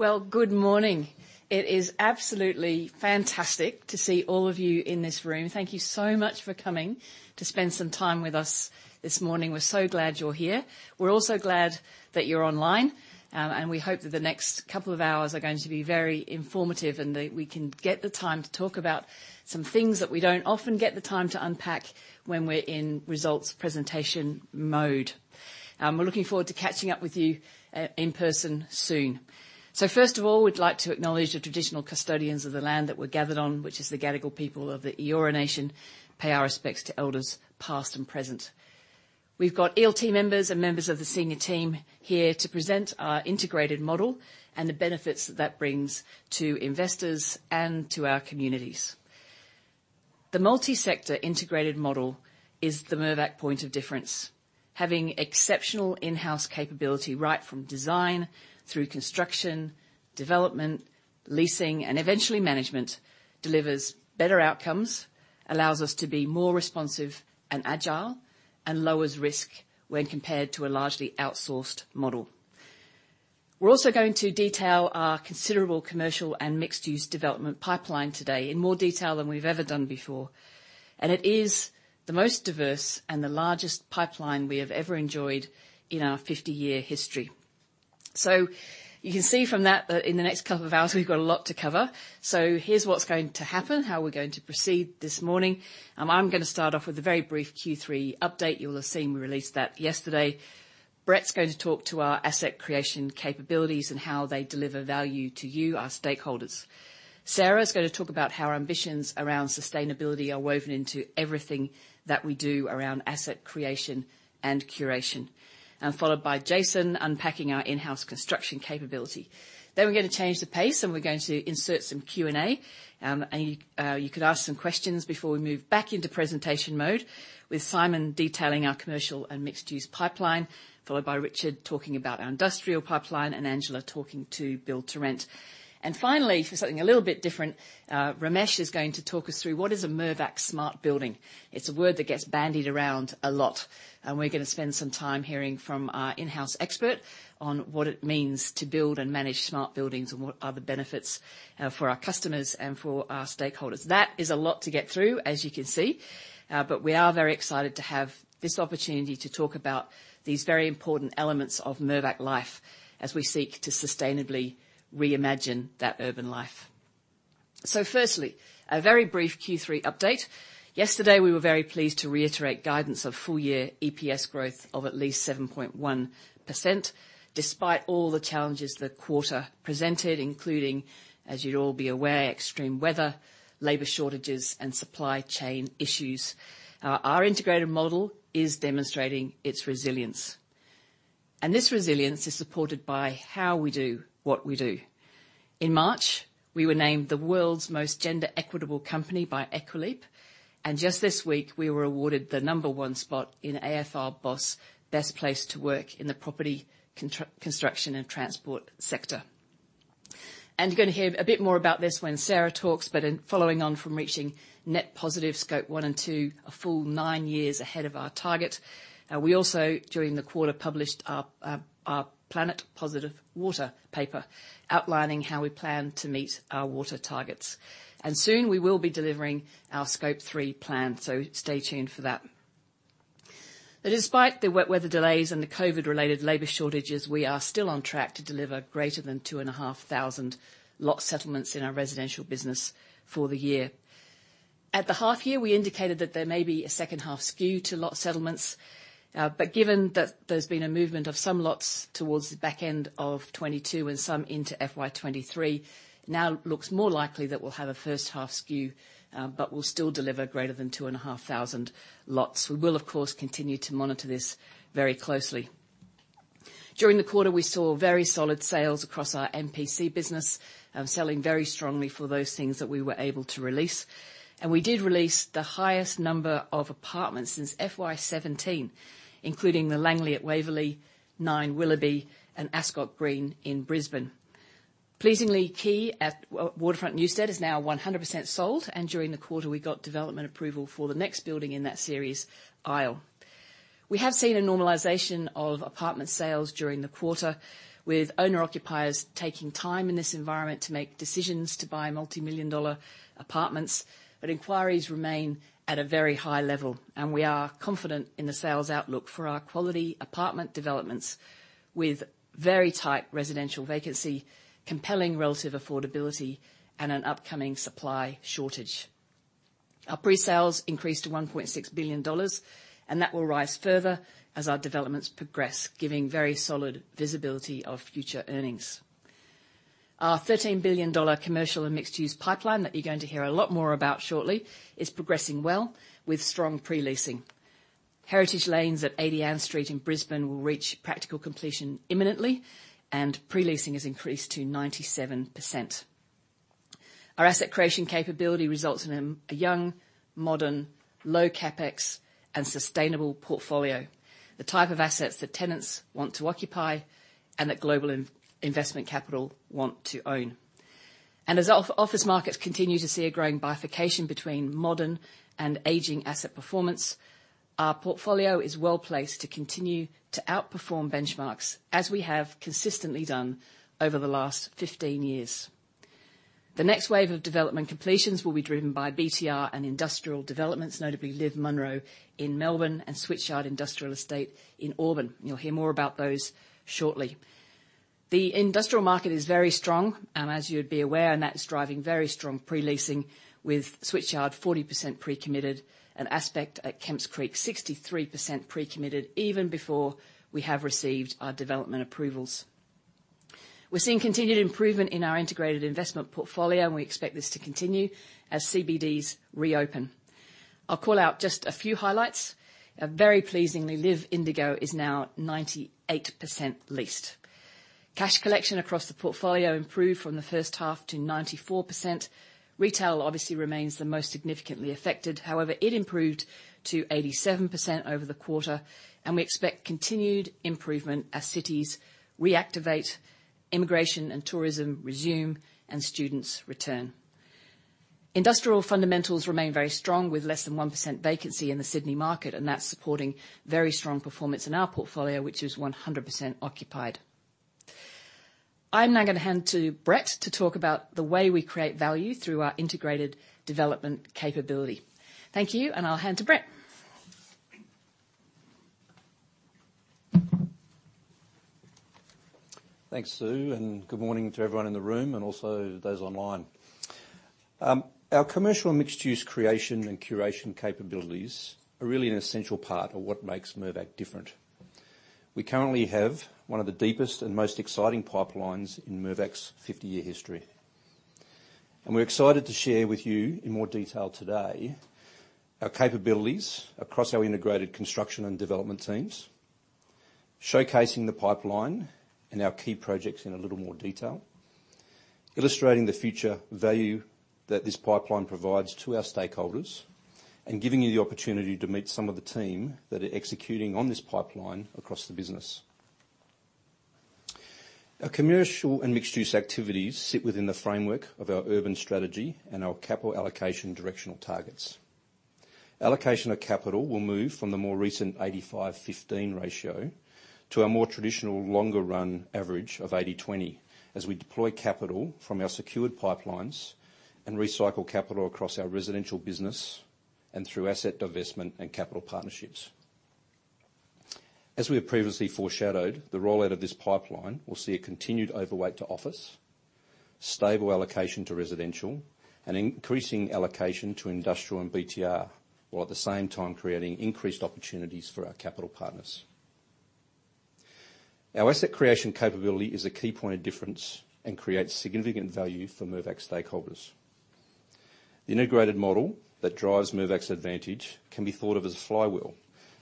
Well, good morning. It is absolutely fantastic to see all of you in this room. Thank you so much for coming to spend some time with us this morning. We're so glad you're here. We're also glad that you're online, and we hope that the next couple of hours are going to be very informative, and that we can get the time to talk about some things that we don't often get the time to unpack when we're in results presentation mode. We're looking forward to catching up with you in person soon. First of all, we'd like to acknowledge the traditional custodians of the land that we're gathered on, which is the Gadigal people of the Eora Nation. Pay our respects to elders past and present. We've got ELT members and members of the senior team here to present our integrated model and the benefits that that brings to investors and to our communities. The multi-sector integrated model is the Mirvac point of difference. Having exceptional in-house capability right from design through construction, development, leasing, and eventually management delivers better outcomes, allows us to be more responsive and agile, and lowers risk when compared to a largely outsourced model. We're also going to detail our considerable commercial and mixed-use development pipeline today in more detail than we've ever done before, and it is the most diverse and the largest pipeline we have ever enjoyed in our 50-year history. You can see from that in the next couple of hours, we've got a lot to cover. Here's what's going to happen, how we're going to proceed this morning. I'm gonna start off with a very brief Q3 update. You'll have seen we released that yesterday. Brett's going to talk to our asset creation capabilities and how they deliver value to you, our stakeholders. Sarah's gonna talk about how our ambitions around sustainability are woven into everything that we do around asset creation and curation. Followed by Jason unpacking our in-house construction capability. We're gonna change the pace, and we're going to insert some Q&A. You could ask some questions before we move back into presentation mode, with Simon detailing our commercial and mixed use pipeline, followed by Richard talking about our industrial pipeline and Angela talking to build to rent. Finally, for something a little bit different, Ramesh is going to talk us through what is a Mirvac smart building. It's a word that gets bandied around a lot, and we're gonna spend some time hearing from our in-house expert on what it means to build and manage smart buildings, and what are the benefits for our customers and for our stakeholders. That is a lot to get through, as you can see, but we are very excited to have this opportunity to talk about these very important elements of Mirvac life as we seek to sustainably reimagine that urban life. Firstly, a very brief Q3 update. Yesterday, we were very pleased to reiterate guidance of full year EPS growth of at least 7.1%. Despite all the challenges the quarter presented, including, as you'd all be aware, extreme weather, labor shortages, and supply chain issues. Our integrated model is demonstrating its resilience, and this resilience is supported by how we do what we do. In March, we were named the world's most gender equitable company by Equileap, and just this week, we were awarded the number one spot in AFR BOSS Best Places to Work in the property construction and transport sector. You're gonna hear a bit more about this when Sarah talks, but in following on from reaching net positive Scope one and two, a full nine years ahead of our target, we also, during the quarter, published our Planet Positive Water paper, outlining how we plan to meet our water targets. Soon we will be delivering our Scope three plan, so stay tuned for that. Despite the wet weather delays and the COVID related labor shortages, we are still on track to deliver greater than 2,500 lot settlements in our residential business for the year. At the half year, we indicated that there may be a second half skew to lot settlements. Given that there's been a movement of some lots towards the back end of 2022 and some into FY 2023, now looks more likely that we'll have a first half skew, but we'll still deliver greater than 2,500 lots. We will, of course, continue to monitor this very closely. During the quarter, we saw very solid sales across our MPC business, selling very strongly for those things that we were able to release. We did release the highest number of apartments since FY 2017, including The Langlee at Waverley, NINE Willoughby, and Ascot Green in Brisbane. Pleasingly, Quay at Waterfront Newstead is now 100% sold, and during the quarter, we got development approval for the next building in that series, Isle. We have seen a normalization of apartment sales during the quarter, with owner occupiers taking time in this environment to make decisions to buy multimillion dollar apartments. Inquiries remain at a very high level, and we are confident in the sales outlook for our quality apartment developments with very tight residential vacancy, compelling relative affordability, and an upcoming supply shortage. Our pre-sales increased to 1.6 billion dollars, and that will rise further as our developments progress, giving very solid visibility of future earnings. Our 13 billion dollar commercial and mixed use pipeline that you're going to hear a lot more about shortly is progressing well with strong pre-leasing. Heritage Lanes at 80 Ann Street in Brisbane will reach practical completion imminently and pre-leasing has increased to 97%. Our asset creation capability results in a young, modern, low CapEx, and sustainable portfolio. The type of assets that tenants want to occupy and that global investment capital want to own. Office markets continue to see a growing bifurcation between modern and aging asset performance, our portfolio is well-placed to continue to outperform benchmarks as we have consistently done over the last 15 years. The next wave of development completions will be driven by BTR and industrial developments, notably LIV Munro in Melbourne and Switchyard industrial estate in Auburn. You'll hear more about those shortly. The industrial market is very strong, as you'd be aware, and that's driving very strong pre-leasing with Switchyard 40% pre-committed and Aspect at Kemps Creek 63% pre-committed even before we have received our development approvals. We're seeing continued improvement in our integrated investment portfolio, and we expect this to continue as CBDs reopen. I'll call out just a few highlights. Very pleasingly, LIV Indigo is now 98% leased. Cash collection across the portfolio improved from the first half to 94%. Retail obviously remains the most significantly affected. However, it improved to 87% over the quarter, and we expect continued improvement as cities reactivate, immigration and tourism resume, and students return. Industrial fundamentals remain very strong with less than 1% vacancy in the Sydney market, and that's supporting very strong performance in our portfolio, which is 100% occupied. I'm now gonna hand to Brett to talk about the way we create value through our integrated development capability. Thank you, and I'll hand to Brett. Thanks, Sue, and good morning to everyone in the room and also those online. Our commercial and mixed-use creation and curation capabilities are really an essential part of what makes Mirvac different. We currently have one of the deepest and most exciting pipelines in Mirvac's 50-year history. We're excited to share with you in more detail today our capabilities across our integrated construction and development teams, showcasing the pipeline and our key projects in a little more detail, illustrating the future value that this pipeline provides to our stakeholders, and giving you the opportunity to meet some of the team that are executing on this pipeline across the business. Our commercial and mixed-use activities sit within the framework of our urban strategy and our capital allocation directional targets. Allocation of capital will move from the more recent 85/15 ratio to a more traditional longer run average of 80/20 as we deploy capital from our secured pipelines and recycle capital across our residential business and through asset divestment and capital partnerships. As we have previously foreshadowed, the rollout of this pipeline will see a continued overweight to office, stable allocation to residential, an increasing allocation to industrial and BTR, while at the same time creating increased opportunities for our capital partners. Our asset creation capability is a key point of difference and creates significant value for Mirvac stakeholders. The integrated model that drives Mirvac's advantage can be thought of as a flywheel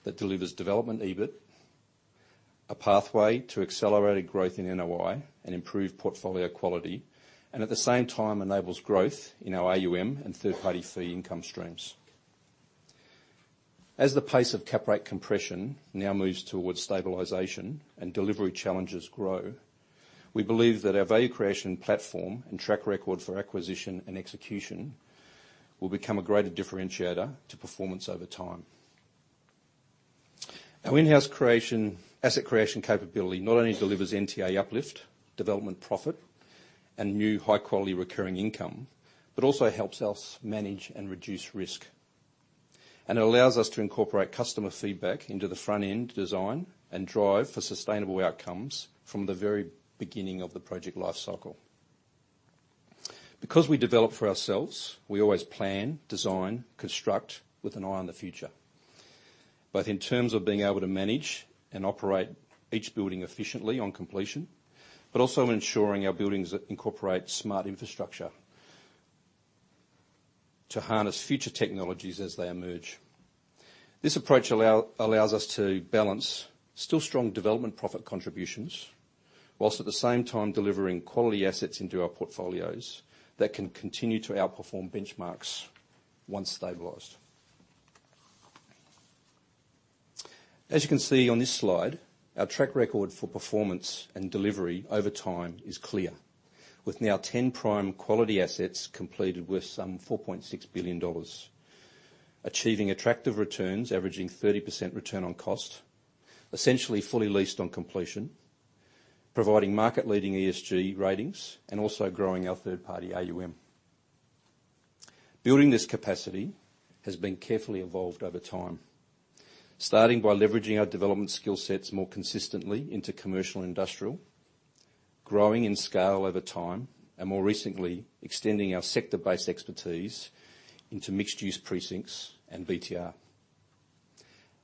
that delivers development EBIT, a pathway to accelerated growth in NOI and improved portfolio quality, and at the same time enables growth in our AUM and third-party fee income streams. As the pace of cap rate compression now moves towards stabilization and delivery challenges grow, we believe that our value creation platform and track record for acquisition and execution will become a greater differentiator to performance over time. Our in-house creation, asset creation capability not only delivers NTA uplift, development profit, and new high-quality recurring income, but also helps us manage and reduce risk. It allows us to incorporate customer feedback into the front-end design and drive for sustainable outcomes from the very beginning of the project life cycle. Because we develop for ourselves, we always plan, design, construct with an eye on the future, both in terms of being able to manage and operate each building efficiently on completion, but also ensuring our buildings incorporate smart infrastructure to harness future technologies as they emerge. This approach allows us to balance still strong development profit contributions while at the same time delivering quality assets into our portfolios that can continue to outperform benchmarks once stabilized. As you can see on this slide, our track record for performance and delivery over time is clear, with now 10 prime quality assets completed with some 4.6 billion dollars, achieving attractive returns averaging 30% return on cost, essentially fully leased on completion, providing market-leading ESG ratings, and also growing our third-party AUM. Building this capacity has been carefully evolved over time, starting by leveraging our development skill sets more consistently into commercial and industrial, growing in scale over time, and more recently, extending our sector-based expertise into mixed-use precincts and BTR.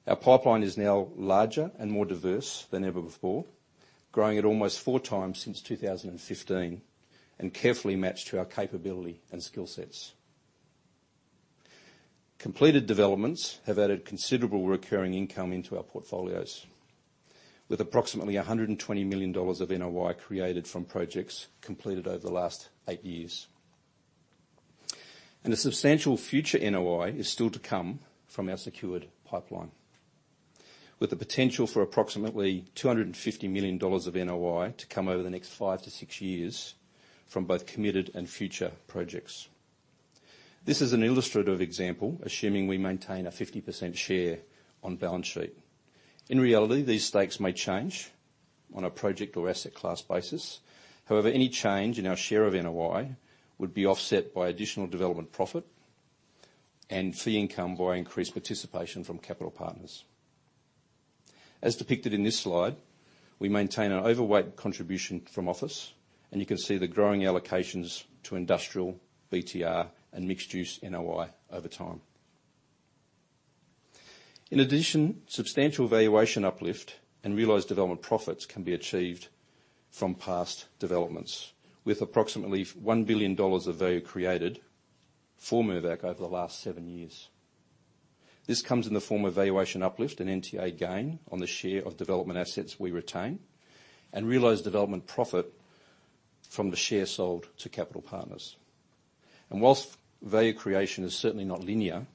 Our pipeline is now larger and more diverse than ever before, growing at almost 4 times since 2015, and carefully matched to our capability and skill sets. Completed developments have added considerable recurring income into our portfolios with approximately 120 million dollars of NOI created from projects completed over the last eight years. The substantial future NOI is still to come from our secured pipeline, with the potential for approximately 250 million dollars of NOI to come over the next 5-6 years from both committed and future projects. This is an illustrative example, assuming we maintain a 50% share on balance sheet. In reality, these stakes may change on a project or asset class basis. However, any change in our share of NOI would be offset by additional development profit and fee income via increased participation from capital partners. As depicted in this slide, we maintain an overweight contribution from office, and you can see the growing allocations to industrial, BTR, and mixed-use NOI over time. In addition, substantial valuation uplift and realized development profits can be achieved from past developments, with approximately 1 billion dollars of value created for Mirvac over the last 7 years. This comes in the form of valuation uplift and NTA gain on the share of development assets we retain and realize development profit from the share sold to capital partners. While value creation is certainly not linear,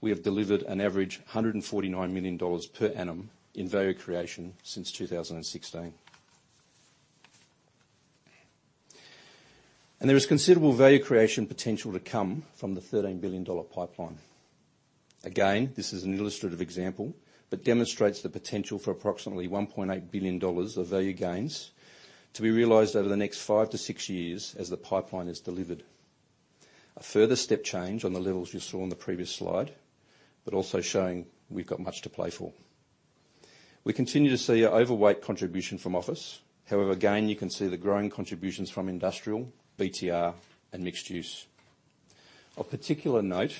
we have delivered an average AUD 149 million per annum in value creation since 2016. There is considerable value creation potential to come from the 13 billion dollar pipeline. Again, this is an illustrative example, but demonstrates the potential for approximately 1.8 billion dollars of value gains to be realized over the next 5-6 years as the pipeline is delivered. A further step change on the levels you saw on the previous slide, but also showing we've got much to play for. We continue to see an overweight contribution from office. However, again, you can see the growing contributions from industrial, BTR, and mixed use. Of particular note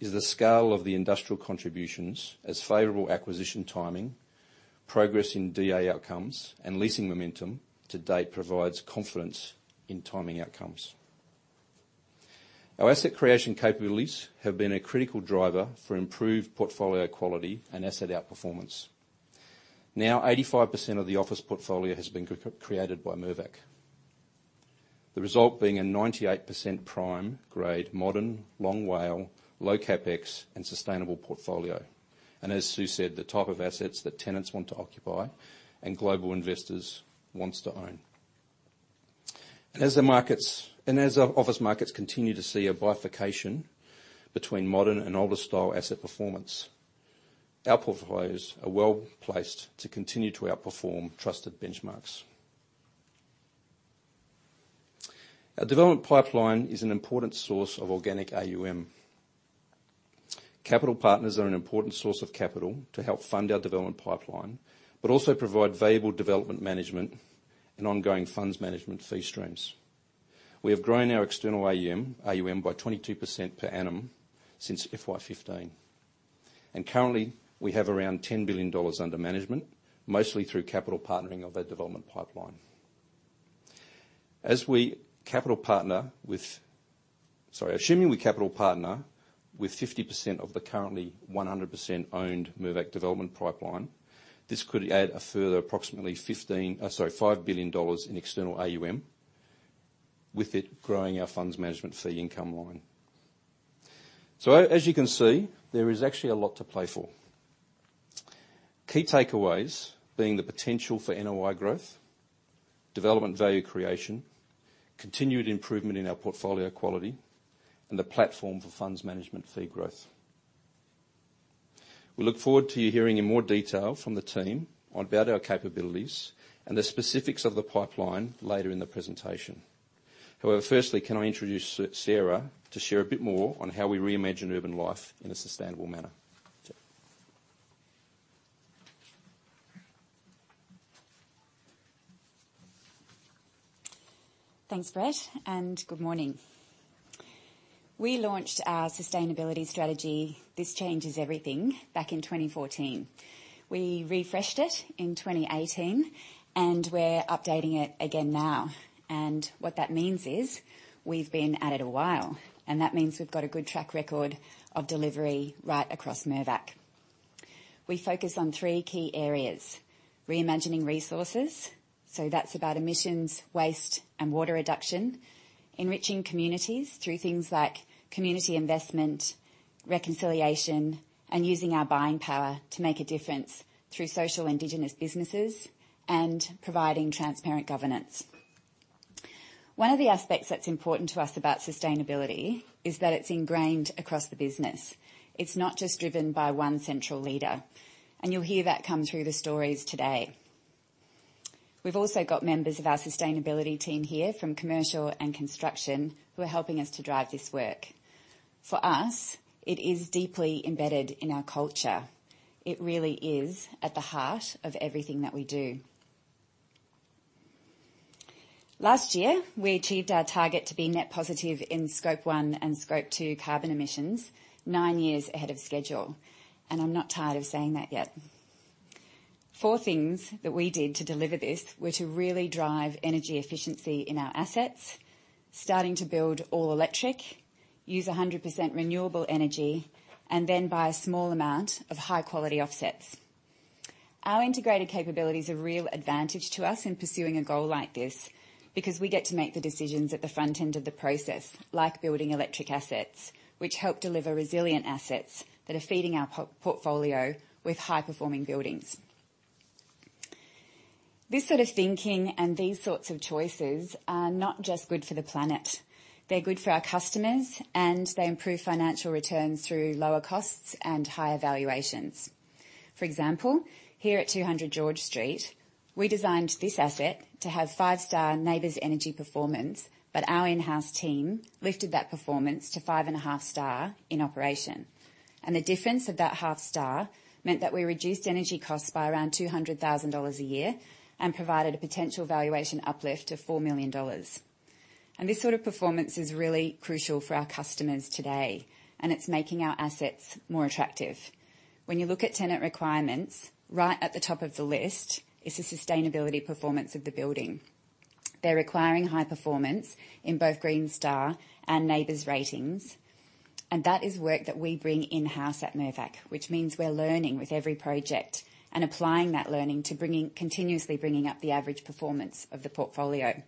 is the scale of the industrial contributions as favorable acquisition timing, progress in DA outcomes, and leasing momentum to date provides confidence in timing outcomes. Our asset creation capabilities have been a critical driver for improved portfolio quality and asset outperformance. Now, 85% of the office portfolio has been created by Mirvac. The result being a 98% prime grade, modern, long WALE, low CapEx, and sustainable portfolio. As Sue said, the type of assets that tenants want to occupy and global investors wants to own. As our office markets continue to see a bifurcation between modern and older style asset performance, our portfolios are well-placed to continue to outperform trusted benchmarks. Our development pipeline is an important source of organic AUM. Capital partners are an important source of capital to help fund our development pipeline, but also provide valuable development management and ongoing funds management fee streams. We have grown our external AUM by 22% per annum since FY 2015. Currently, we have around 10 billion dollars under management, mostly through capital partnering of our development pipeline. Assuming we capital partner with 50% of the currently 100% owned Mirvac development pipeline, this could add a further approximately 5 billion dollars in external AUM, with it growing our funds management fee income line. As you can see, there is actually a lot to play for. Key takeaways being the potential for NOI growth, development value creation, continued improvement in our portfolio quality, and the platform for funds management fee growth. We look forward to you hearing in more detail from the team about our capabilities and the specifics of the pipeline later in the presentation. However, firstly, can I introduce Sarah to share a bit more on how we reimagine urban life in a sustainable manner? Sarah. Thanks, Brett, and good morning. We launched our sustainability strategy, This Changes Everything, back in 2014. We refreshed it in 2018, and we're updating it again now. What that means is we've been at it a while, and that means we've got a good track record of delivery right across Mirvac. We focus on three key areas, reimagining resources, so that's about emissions, waste, and water reduction. Enriching communities through things like community investment, reconciliation, and using our buying power to make a difference through social indigenous businesses. Providing transparent governance. One of the aspects that's important to us about sustainability is that it's ingrained across the business. It's not just driven by one central leader, and you'll hear that come through the stories today. We've also got members of our sustainability team here from commercial and construction who are helping us to drive this work. For us, it is deeply embedded in our culture. It really is at the heart of everything that we do. Last year, we achieved our target to be net positive in Scope one and Scope two carbon emissions nine years ahead of schedule, and I'm not tired of saying that yet. Four things that we did to deliver this were to really drive energy efficiency in our assets, starting to build all electric, use 100% renewable energy, and then buy a small amount of high quality offsets. Our integrated capability is a real advantage to us in pursuing a goal like this, because we get to make the decisions at the front end of the process, like building electric assets, which help deliver resilient assets that are feeding our portfolio with high-performing buildings. This sort of thinking and these sorts of choices are not just good for the planet, they're good for our customers, and they improve financial returns through lower costs and higher valuations. For example, here at 200 George Street, we designed this asset to have 5-star NABERS energy performance, but our in-house team lifted that performance to 5½-star in operation. The difference of that half star meant that we reduced energy costs by around 200,000 dollars a year and provided a potential valuation uplift of 4 million dollars. This sort of performance is really crucial for our customers today, and it's making our assets more attractive. When you look at tenant requirements, right at the top of the list is the sustainability performance of the building. They're requiring high performance in both Green Star and NABERS ratings, and that is work that we bring in-house at Mirvac, which means we're learning with every project and applying that learning to continuously bringing up the average performance of the portfolio.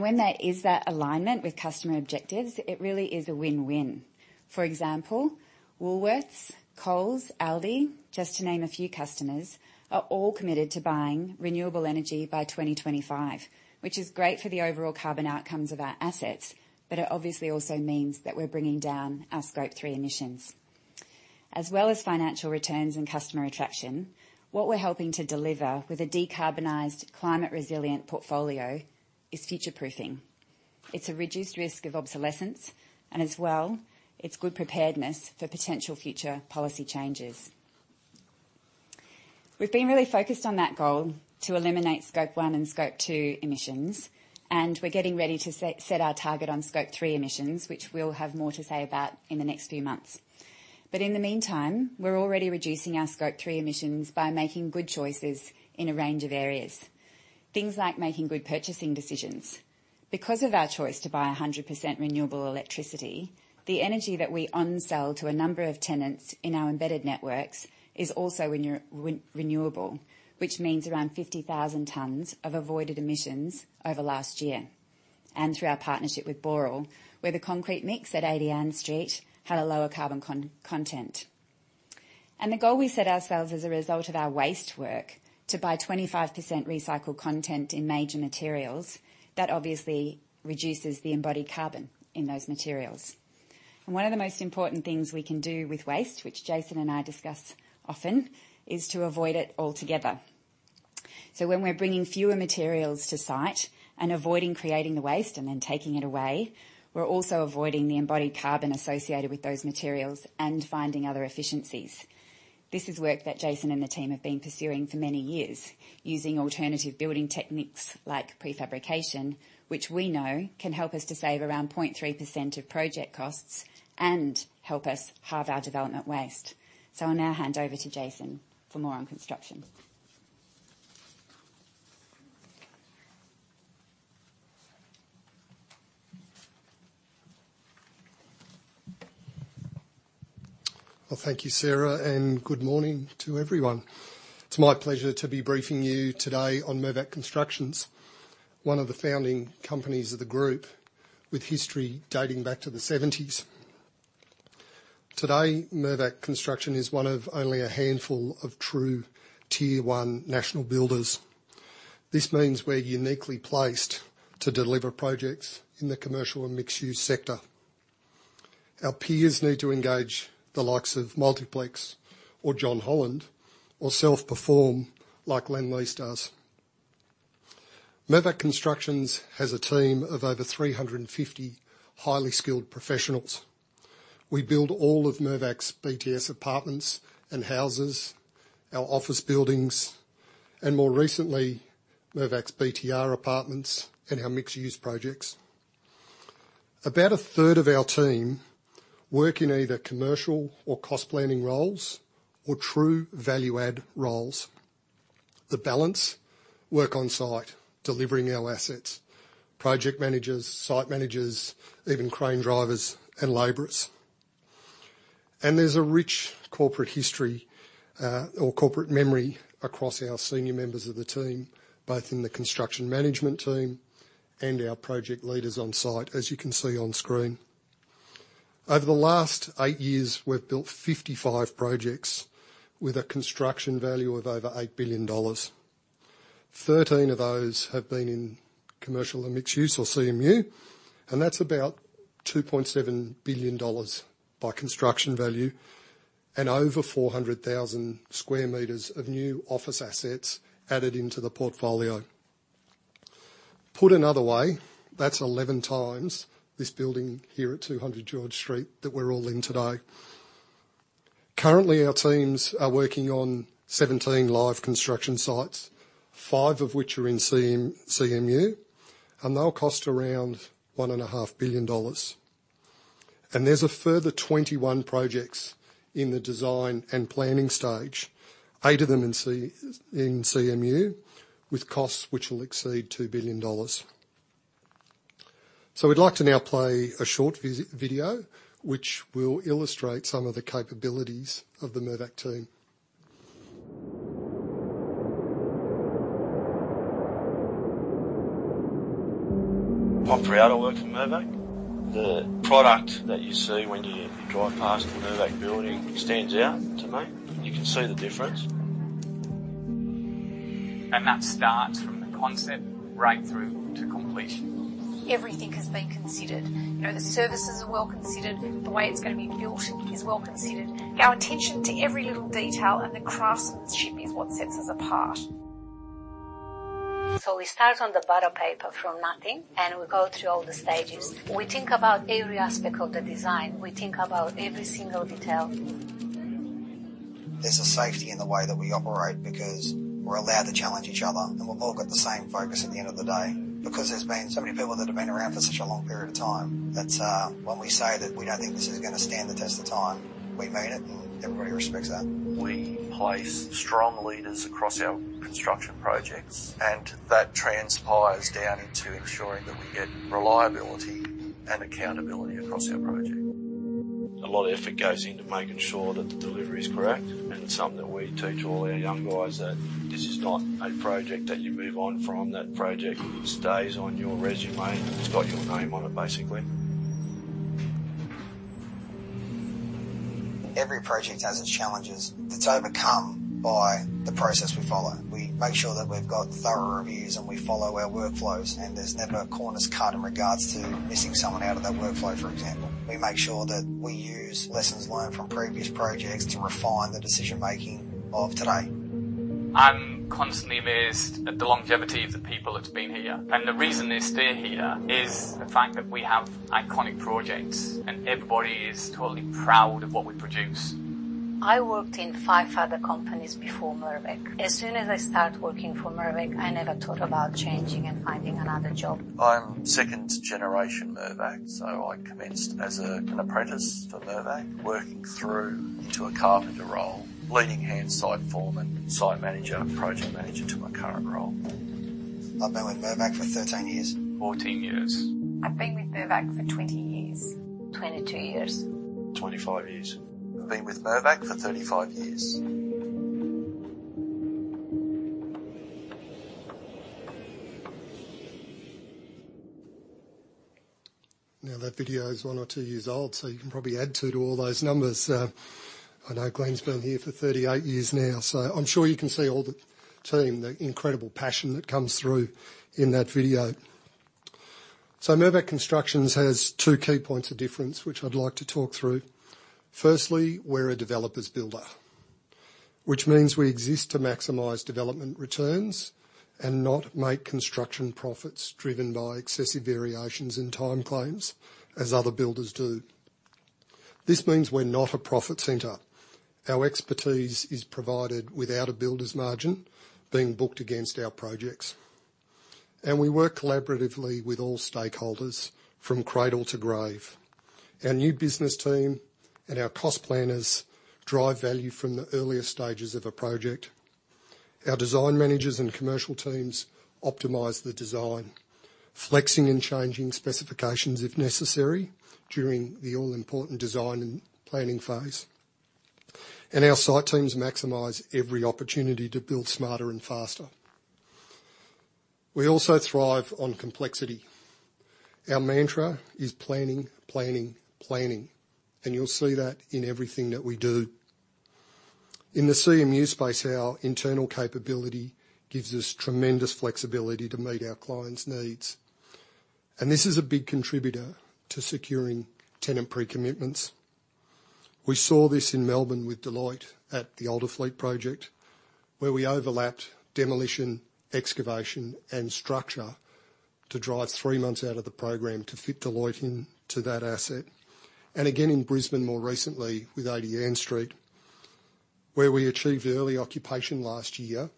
When there is that alignment with customer objectives, it really is a win-win. For example, Woolworths, Coles, Aldi, just to name a few customers, are all committed to buying renewable energy by 2025, which is great for the overall carbon outcomes of our assets, but it obviously also means that we're bringing down our Scope three emissions. As well as financial returns and customer attraction, what we're helping to deliver with a decarbonized climate resilient portfolio is future-proofing. It's a reduced risk of obsolescence, and as well, it's good preparedness for potential future policy changes. We've been really focused on that goal to eliminate Scope one and Scope two emissions, and we're getting ready to set our target on Scope three emissions, which we'll have more to say about in the next few months. In the meantime, we're already reducing our Scope three emissions by making good choices in a range of areas, things like making good purchasing decisions. Because of our choice to buy 100% renewable electricity, the energy that we onsell to a number of tenants in our embedded networks is also renewable, which means around 50,000 tons of avoided emissions over last year. Through our partnership with Boral, where the concrete mix at 80 Ann Street had a lower carbon content. The goal we set ourselves as a result of our waste work, to buy 25% recycled content in major materials, that obviously reduces the embodied carbon in those materials. One of the most important things we can do with waste, which Jason and I discuss often, is to avoid it altogether. When we're bringing fewer materials to site and avoiding creating the waste and then taking it away, we're also avoiding the embodied carbon associated with those materials and finding other efficiencies. This is work that Jason and the team have been pursuing for many years using alternative building techniques like prefabrication, which we know can help us to save around 0.3% of project costs and help us halve our development waste. I'll now hand over to Jason for more on construction. Well, thank you, Sarah, and good morning to everyone. It's my pleasure to be briefing you today on Mirvac Constructions, one of the founding companies of the group with history dating back to the 1970s. Today, Mirvac Constructions is one of only a handful of true tier one national builders. This means we're uniquely placed to deliver projects in the commercial and mixed use sector. Our peers need to engage the likes of Multiplex or John Holland or self-perform like Lendlease does. Mirvac Constructions has a team of over 350 highly skilled professionals. We build all of Mirvac's BTS apartments and houses, our office buildings, and more recently, Mirvac's BTR apartments and our mixed-use projects. About a third of our team work in either commercial or cost planning roles or true value add roles. The balance of work on-site, delivering our assets, project managers, site managers, even crane drivers and laborers. There's a rich corporate history, or corporate memory across our senior members of the team, both in the construction management team and our project leaders on-site, as you can see on screen. Over the last eight years, we've built 55 projects with a construction value of over 8 billion dollars. 13 of those have been in commercial and mixed use or CMU, and that's about 2.7 billion dollars by construction value and over 400,000 sq meters of new office assets added into the portfolio. Put another way, that's 11 times this building here at 200 George Street that we're all in today. Currently, our teams are working on 17 live construction sites, 5 of which are in CMU, and they'll cost around one and a half billion dollars. There's a further 21 projects in the design and planning stage, 8 of them in CMU, with costs which will exceed 2 billion dollars. We'd like to now play a short video which will illustrate some of the capabilities of the Mirvac team. I'm proud to work for Mirvac. The product that you see when you drive past the Mirvac building stands out to me. You can see the difference. That starts from the concept right through to completion. Everything has been considered. You know, the services are well considered, the way it's gonna be built is well considered. Our attention to every little detail and the craftsmanship is what sets us apart. We start on the butcher paper from nothing, and we go through all the stages. We think about every aspect of the design. We think about every single detail. There's a safety in the way that we operate because we're allowed to challenge each other, and we've all got the same focus at the end of the day. Because there's been so many people that have been around for such a long period of time that, when we say that we don't think this is gonna stand the test of time, we mean it, and everybody respects that. We place strong leaders across our construction projects, and that transpires down into ensuring that we get reliability and accountability across our project. A lot of effort goes into making sure that the delivery is correct. Something that we teach all our young guys that this is not a project that you move on from. That project stays on your resume. It's got your name on it, basically. Every project has its challenges that are overcome by the process we follow. We make sure that we've got thorough reviews, and we follow our workflows. There's never corners cut in regards to missing someone out of that workflow, for example. We make sure that we use lessons learned from previous projects to refine the decision-making of today. I'm constantly amazed at the longevity of the people that's been here, and the reason they stay here is the fact that we have iconic projects and everybody is totally proud of what we produce. I worked in five other companies before Mirvac. As soon as I start working for Mirvac, I never thought about changing and finding another job. I'm second-generation Mirvac, so I commenced as an apprentice for Mirvac, working through to a carpenter role, leading hand site foreman, site manager, project manager to my current role. I've been with Mirvac for 13 years. 14 years. I've been with Mirvac for 20 years. 22 years. 25 years. I've been with Mirvac for 35 years. Now that video is one or two years old, so you can probably add two to all those numbers. I know Glenn's been here for 38 years now, so I'm sure you can see all the team, the incredible passion that comes through in that video. Mirvac Construction has two key points of difference, which I'd like to talk through. Firstly, we're a developer's builder, which means we exist to maximize development returns and not make construction profits driven by excessive variations and time claims as other builders do. This means we're not a profit center. Our expertise is provided without a builder's margin being booked against our projects. We work collaboratively with all stakeholders from cradle to grave. Our new business team and our cost planners drive value from the earliest stages of a project. Our design managers and commercial teams optimize the design, flexing and changing specifications if necessary during the all-important design and planning phase. Our site teams maximize every opportunity to build smarter and faster. We also thrive on complexity. Our mantra is planning, planning, and you'll see that in everything that we do. In the CMU space, our internal capability gives us tremendous flexibility to meet our clients' needs, and this is a big contributor to securing tenant pre-commitments. We saw this in Melbourne with Deloitte at the Olderfleet project, where we overlapped demolition, excavation, and structure to drive three months out of the program to fit Deloitte into that asset. Again in Brisbane more recently with 80 Ann Street, where we achieved early occupation last year,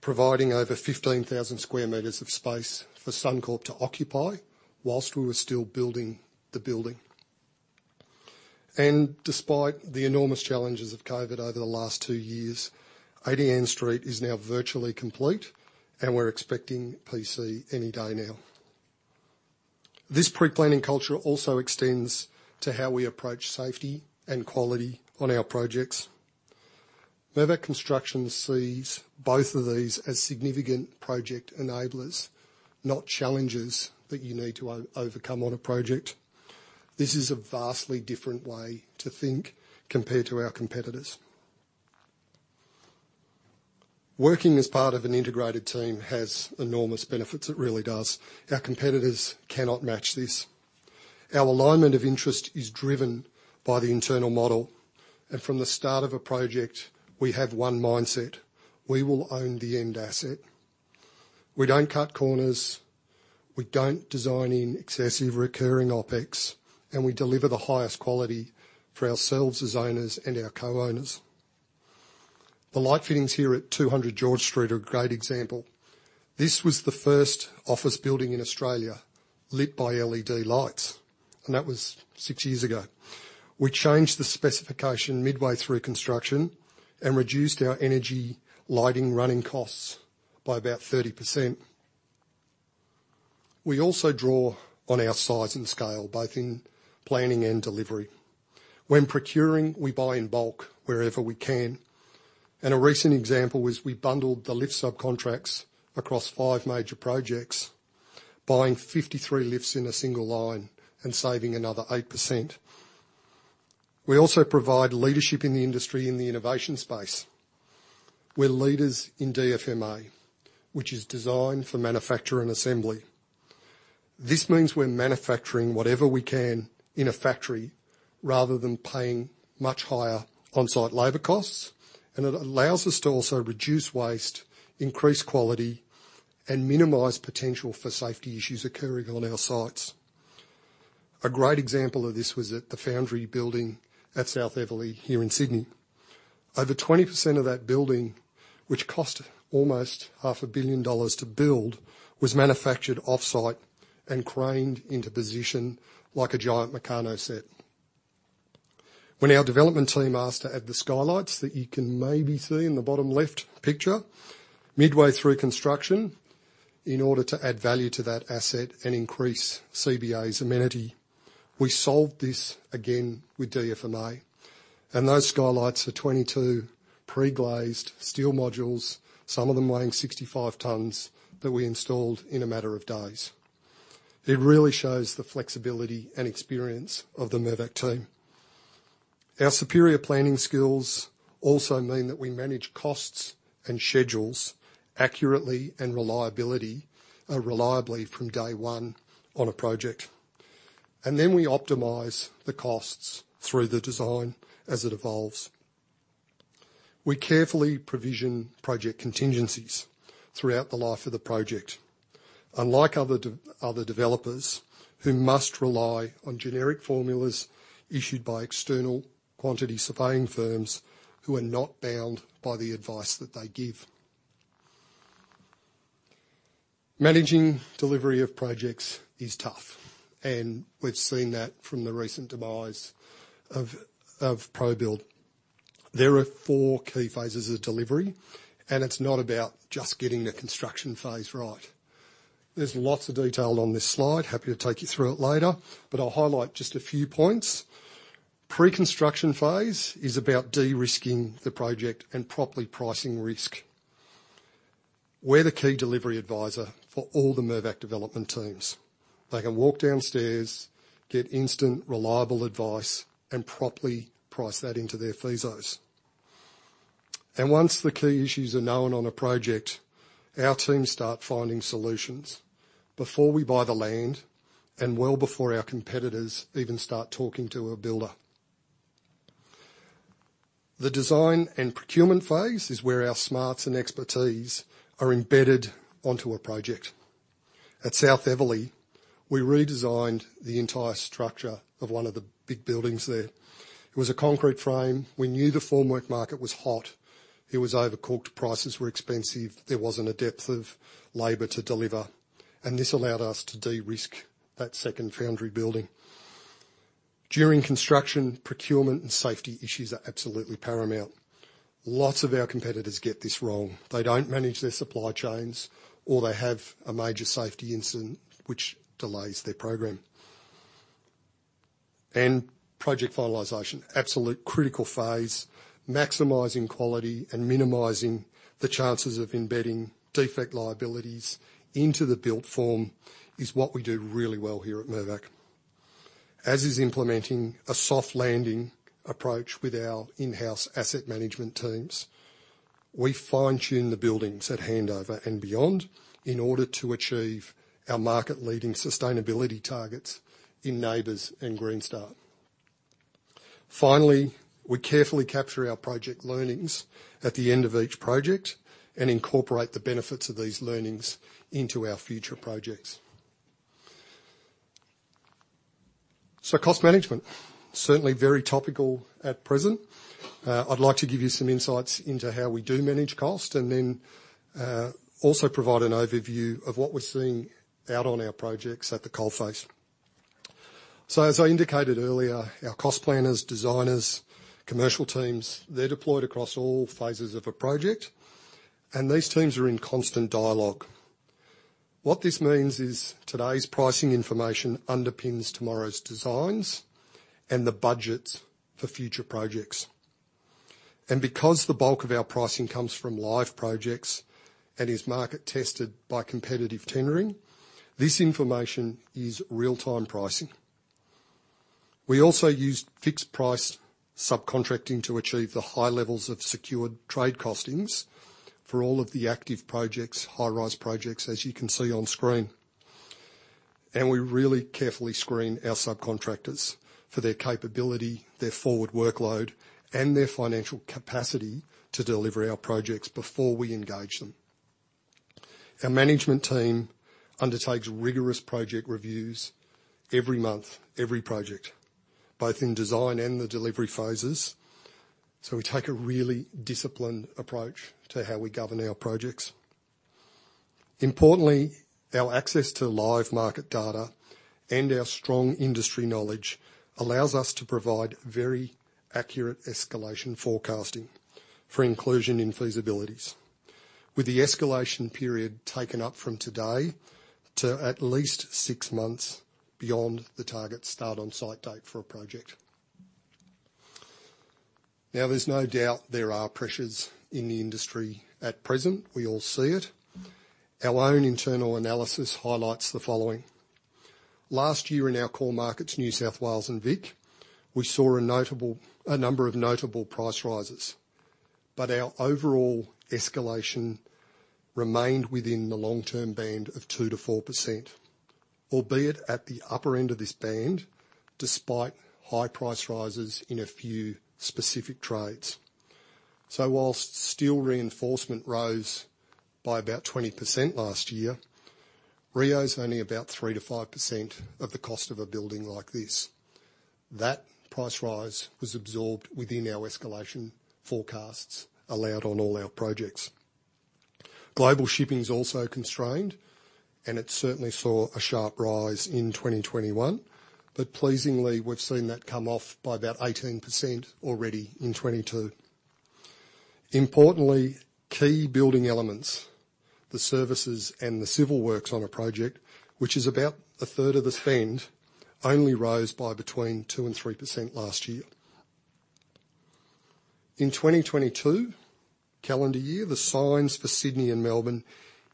providing over 15,000 sq meters of space for Suncorp to occupy while we were still building the building. Despite the enormous challenges of COVID over the last two years, 80 Ann Street is now virtually complete, and we're expecting PC any day now. This pre-planning culture also extends to how we approach safety and quality on our projects. Mirvac Construction sees both of these as significant project enablers, not challenges that you need to overcome on a project. This is a vastly different way to think compared to our competitors. Working as part of an integrated team has enormous benefits. It really does. Our competitors cannot match this. Our alignment of interest is driven by the internal model, and from the start of a project, we have one mindset: We will own the end asset. We don't cut corners, we don't design in excessive recurring OpEx, and we deliver the highest quality for ourselves as owners and our co-owners. The light fittings here at 200 George Street are a great example. This was the first office building in Australia lit by LED lights, and that was six years ago. We changed the specification midway through construction and reduced our energy lighting running costs by about 30%. We also draw on our size and scale, both in planning and delivery. When procuring, we buy in bulk wherever we can. A recent example is we bundled the lift subcontracts across five major projects, buying 53 lifts in a single line and saving another 8%. We also provide leadership in the industry in the innovation space. We're leaders in DFMA, which is design for manufacture and assembly. This means we're manufacturing whatever we can in a factory rather than paying much higher on-site labor costs. It allows us to also reduce waste, increase quality, and minimize potential for safety issues occurring on our sites. A great example of this was at The Foundry building at South Eveleigh here in Sydney. Over 20% of that building, which cost almost 500 million dollars to build, was manufactured off-site and craned into position like a giant Meccano set. When our development team asked to add the skylights that you can maybe see in the bottom left picture midway through construction in order to add value to that asset and increase CBA's amenity, we solved this again with DFMA. Those skylights are 22 pre-glazed steel modules, some of them weighing 65 tons, that we installed in a matter of days. It really shows the flexibility and experience of the Mirvac team. Our superior planning skills also mean that we manage costs and schedules accurately and reliably from day one on a project. Then we optimize the costs through the design as it evolves. We carefully provision project contingencies throughout the life of the project. Unlike other developers who must rely on generic formulas issued by external quantity surveying firms who are not bound by the advice that they give. Managing delivery of projects is tough, and we've seen that from the recent demise of Probuild. There are four key phases of delivery, and it's not about just getting the construction phase right. There's lots of detail on this slide. Happy to take you through it later, but I'll highlight just a few points. Pre-construction phase is about de-risking the project and properly pricing risk. We're the key delivery advisor for all the Mirvac development teams. They can walk downstairs, get instant, reliable advice, and properly price that into their feasos. Once the key issues are known on a project, our teams start finding solutions before we buy the land and well before our competitors even start talking to a builder. The design and procurement phase is where our smarts and expertise are embedded onto a project. At South Eveleigh, we redesigned the entire structure of one of the big buildings there. It was a concrete frame. We knew the formwork market was hot. It was overcooked. Prices were expensive. There wasn't a depth of labor to deliver, and this allowed us to de-risk that second Foundry building. During construction, procurement and safety issues are absolutely paramount. Lots of our competitors get this wrong. They don't manage their supply chains, or they have a major safety incident which delays their program. Project finalization, absolute critical phase. Maximizing quality and minimizing the chances of embedding defect liabilities into the built form is what we do really well here at Mirvac. As is implementing a soft landing approach with our in-house asset management teams. We fine-tune the buildings at handover and beyond in order to achieve our market-leading sustainability targets in NABERS and Green Star. Finally, we carefully capture our project learnings at the end of each project and incorporate the benefits of these learnings into our future projects. Cost management, certainly very topical at present. I'd like to give you some insights into how we do manage cost and then, also provide an overview of what we're seeing out on our projects at the coal face. As I indicated earlier, our cost planners, designers, commercial teams, they're deployed across all phases of a project, and these teams are in constant dialogue. What this means is today's pricing information underpins tomorrow's designs and the budgets for future projects. Because the bulk of our pricing comes from live projects and is market tested by competitive tendering, this information is real-time pricing. We also use fixed-price subcontracting to achieve the high levels of secured trade costings for all of the active projects, high-rise projects, as you can see on screen. We really carefully screen our subcontractors for their capability, their forward workload, and their financial capacity to deliver our projects before we engage them. Our management team undertakes rigorous project reviews every month, every project, both in design and the delivery phases, so we take a really disciplined approach to how we govern our projects. Importantly, our access to live market data and our strong industry knowledge allows us to provide very accurate escalation forecasting for inclusion in feasibilities, with the escalation period taken up from today to at least 6 months beyond the target start on-site date for a project. Now, there's no doubt there are pressures in the industry at present. We all see it. Our own internal analysis highlights the following. Last year in our core markets, New South Wales and Vic, we saw a number of notable price rises. Our overall escalation remained within the long-term band of 2%-4%, albeit at the upper end of this band, despite high price rises in a few specific trades. While steel reinforcement rose by about 20% last year, reo is only about 3%-5% of the cost of a building like this. That price rise was absorbed within our escalation forecasts allowed on all our projects. Global shipping is also constrained, and it certainly saw a sharp rise in 2021. Pleasingly, we've seen that come off by about 18% already in 2022. Importantly, key building elements, the services and the civil works on a project which is about a third of the spend, only rose by between 2% and 3% last year. In 2022 calendar year, the signs for Sydney and Melbourne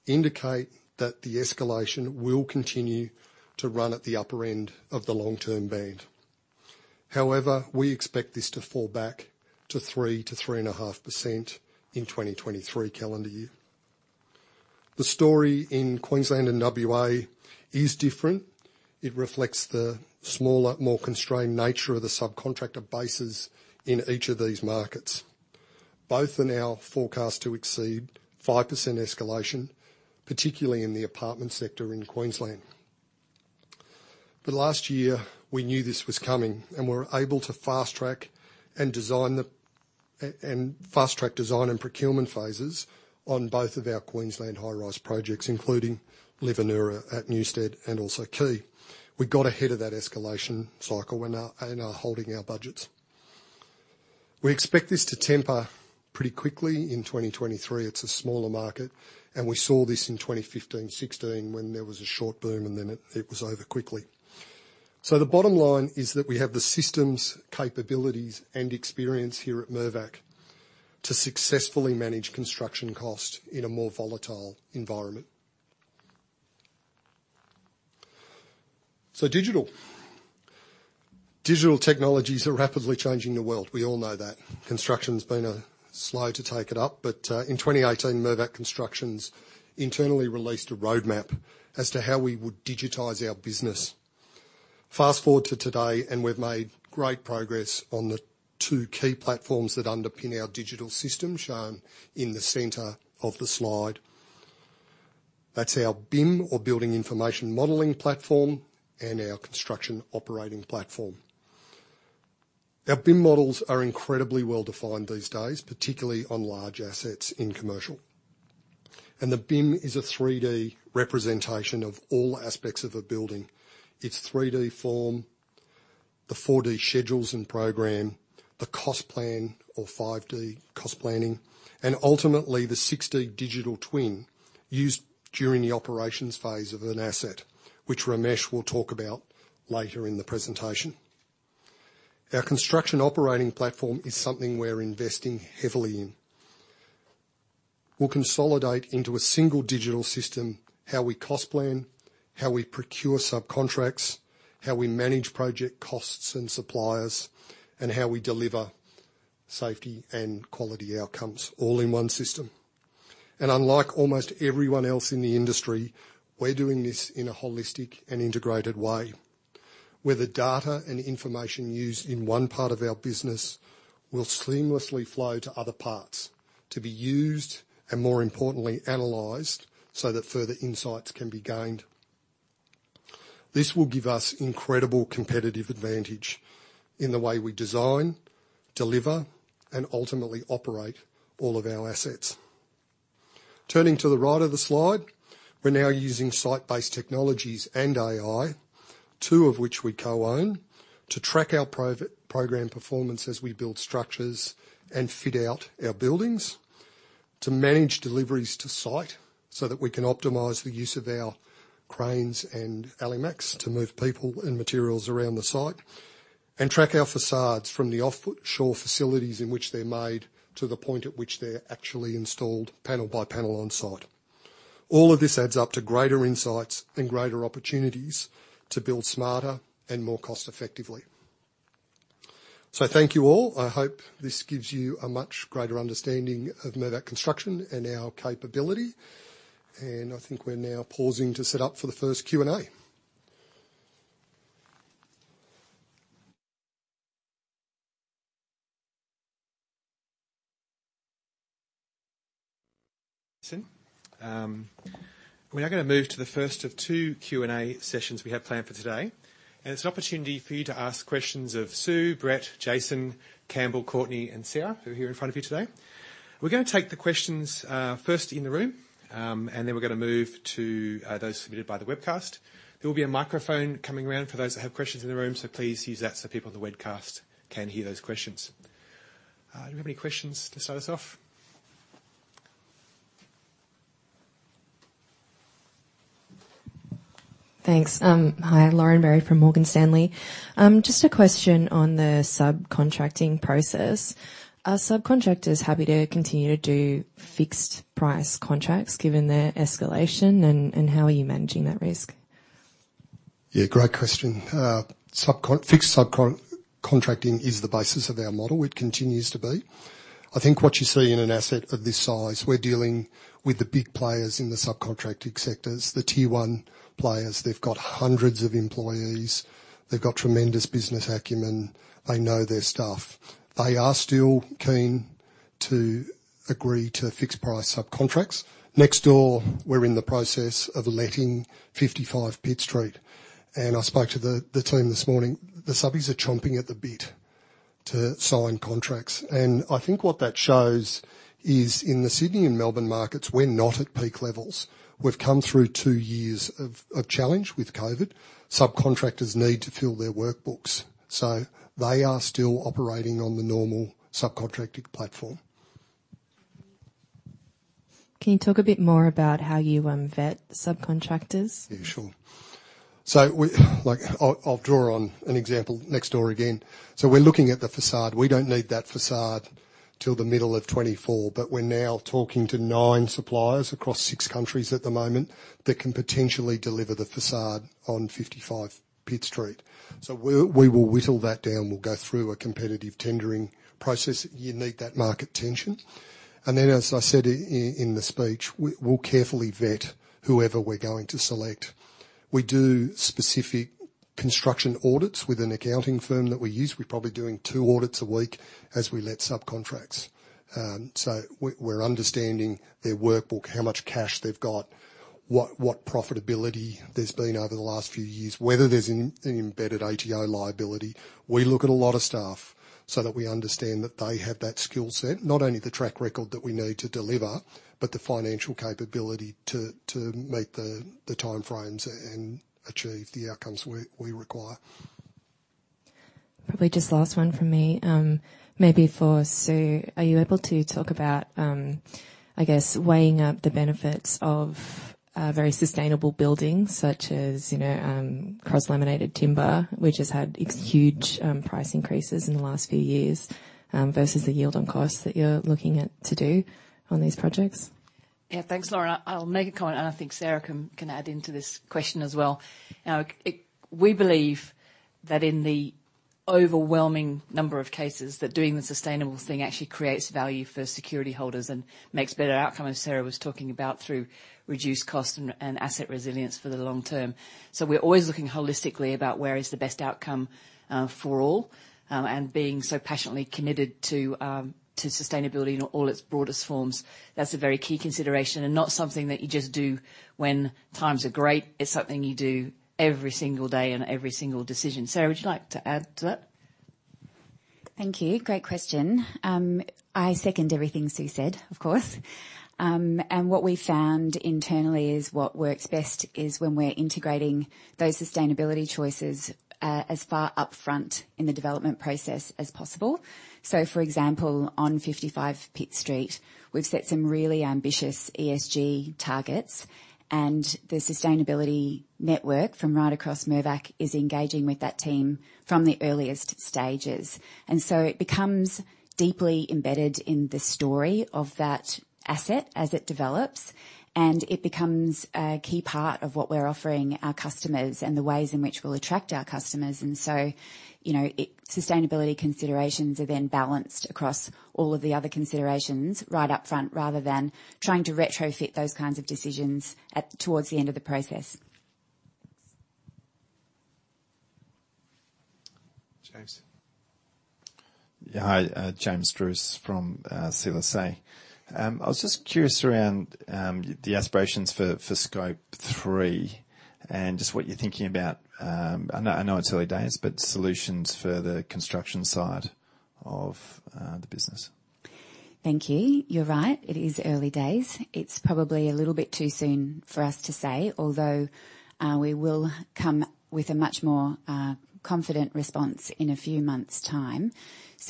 indicate that the escalation will continue to run at the upper end of the long-term band. However, we expect this to fall back to 3%-3.5% in 2023 calendar year. The story in Queensland and WA is different. It reflects the smaller, more constrained nature of the subcontractor bases in each of these markets. Both are now forecast to exceed 5% escalation, particularly in the apartment sector in Queensland. Last year, we knew this was coming and were able to fast-track design and procurement phases on both of our Queensland high-rise projects, including LIV Anura at Newstead and also Quay. We got ahead of that escalation cycle and are holding our budgets. We expect this to temper pretty quickly in 2023. It's a smaller market, and we saw this in 2015, 2016 when there was a short boom and then it was over quickly. The bottom line is that we have the systems, capabilities and experience here at Mirvac to successfully manage construction cost in a more volatile environment. Digital technologies are rapidly changing the world. We all know that. Construction's been slow to take it up. But in 2018, Mirvac Construction's internally released a roadmap as to how we would digitize our business. Fast-forward to today, and we've made great progress on the two key platforms that underpin our digital system, shown in the center of the slide. That's our BIM or Building Information Modeling platform and our construction operating platform. Our BIM models are incredibly well-defined these days, particularly on large assets in commercial. The BIM is a 3-D representation of all aspects of a building. It's 3-D form, the 4-D schedules and program, the cost plan or 5-D cost planning, and ultimately the 6-D digital twin used during the operations phase of an asset, which Ramesh will talk about later in the presentation. Our construction operating platform is something we're investing heavily in. We'll consolidate into a single digital system how we cost plan, how we procure subcontracts, how we manage project costs and suppliers, and how we deliver safety and quality outcomes all in one system. Unlike almost everyone else in the industry, we're doing this in a holistic and integrated way, where the data and information used in one part of our business will seamlessly flow to other parts to be used and more importantly analyzed so that further insights can be gained. This will give us incredible competitive advantage in the way we design, deliver and ultimately operate all of our assets. Turning to the right of the slide, we're now using site-based technologies and AI, two of which we co-own, to track our program performance as we build structures and fit out our buildings. To manage deliveries to site so that we can optimize the use of our cranes and Alimak to move people and materials around the site. Track our facades from the offshore facilities in which they're made to the point at which they're actually installed panel by panel on site. All of this adds up to greater insights and greater opportunities to build smarter and more cost-effectively. Thank you all. I hope this gives you a much greater understanding of Mirvac Construction and our capability. I think we're now pausing to set up for the first Q&A. We are going to move to the first of two Q&A sessions we have planned for today, and it's an opportunity for you to ask questions of Sue, Brett, Jason, Campbell, Courtney, and Sarah, who are here in front of you today. We're gonna take the questions, first in the room, and then we're gonna move to, those submitted by the webcast. There will be a microphone coming around for those that have questions in the room, so please use that so people on the webcast can hear those questions. Do we have any questions to start us off? Thanks. Hi, Lauren Berry from Morgan Stanley. Just a question on the subcontracting process. Are subcontractors happy to continue to do fixed price contracts given the escalation, and how are you managing that risk? Yeah, great question. Fixed subcontracting is the basis of our model, it continues to be. I think what you see in an asset of this size, we're dealing with the big players in the subcontracting sectors, the tier one players. They've got hundreds of employees. They've got tremendous business acumen. They know their stuff. They are still keen to agree to fixed price subcontracts. Next door, we're in the process of letting 55 Pitt Street, and I spoke to the team this morning. The subbies are chomping at the bit to sign contracts. I think what that shows is in the Sydney and Melbourne markets, we're not at peak levels. We've come through two years of challenge with COVID. Subcontractors need to fill their workbooks, so they are still operating on the normal subcontracted platform. Can you talk a bit more about how you vet subcontractors? Yeah, sure. Like, I'll draw on an example next door again. We're looking at the facade. We don't need that facade till the middle of 2024, but we're now talking to nine suppliers across six countries at the moment that can potentially deliver the facade on 55 Pitt Street. We will whittle that down. We'll go through a competitive tendering process. You need that market tension. Then, as I said in the speech, we'll carefully vet whoever we're going to select. We do specific construction audits with an accounting firm that we use. We're probably doing two audits a week as we let subcontracts. We're understanding their workbook, how much cash they've got, what profitability there's been over the last few years, whether there's an embedded ATO liability. We look at a lot of stuff so that we understand that they have that skill set, not only the track record that we need to deliver, but the financial capability to meet the time frames and achieve the outcomes we require. Probably just last one from me. Maybe for Sue. Are you able to talk about, I guess, weighing up the benefits of very sustainable buildings such as cross-laminated timber, which has had huge price increases in the last few years, versus the yield on costs that you're looking at to do on these projects? Yeah. Thanks, Lauren. I'll make a comment, and I think Sarah can add into this question as well. Now, we believe that in the overwhelming number of cases, that doing the sustainable thing actually creates value for security holders and makes better outcome, as Sarah was talking about, through reduced cost and asset resilience for the long term. We're always looking holistically about where is the best outcome, for all. Being so passionately committed to sustainability in all its broadest forms, that's a very key consideration and not something that you just do when times are great. It's something you do every single day on every single decision. Sarah, would you like to add to that? Thank you. Great question. I second everything Sue said, of course. What we found internally is what works best is when we're integrating those sustainability choices as far upfront in the development process as possible. For example, on 55 Pitt Street, we've set some really ambitious ESG targets, and the sustainability network from right across Mirvac is engaging with that team from the earliest stages. It becomes deeply embedded in the story of that asset as it develops, and it becomes a key part of what we're offering our customers and the ways in which we'll attract our customers. You know, sustainability considerations are then balanced across all of the other considerations right up front, rather than trying to retrofit those kinds of decisions towards the end of the process. Thanks. James. Hi, James Druce from CLSA. I was just curious around the aspirations for Scope three and just what you're thinking about. I know it's early days, but solutions for the construction side of the business. Thank you. You're right, it is early days. It's probably a little bit too soon for us to say, although we will come with a much more confident response in a few months' time.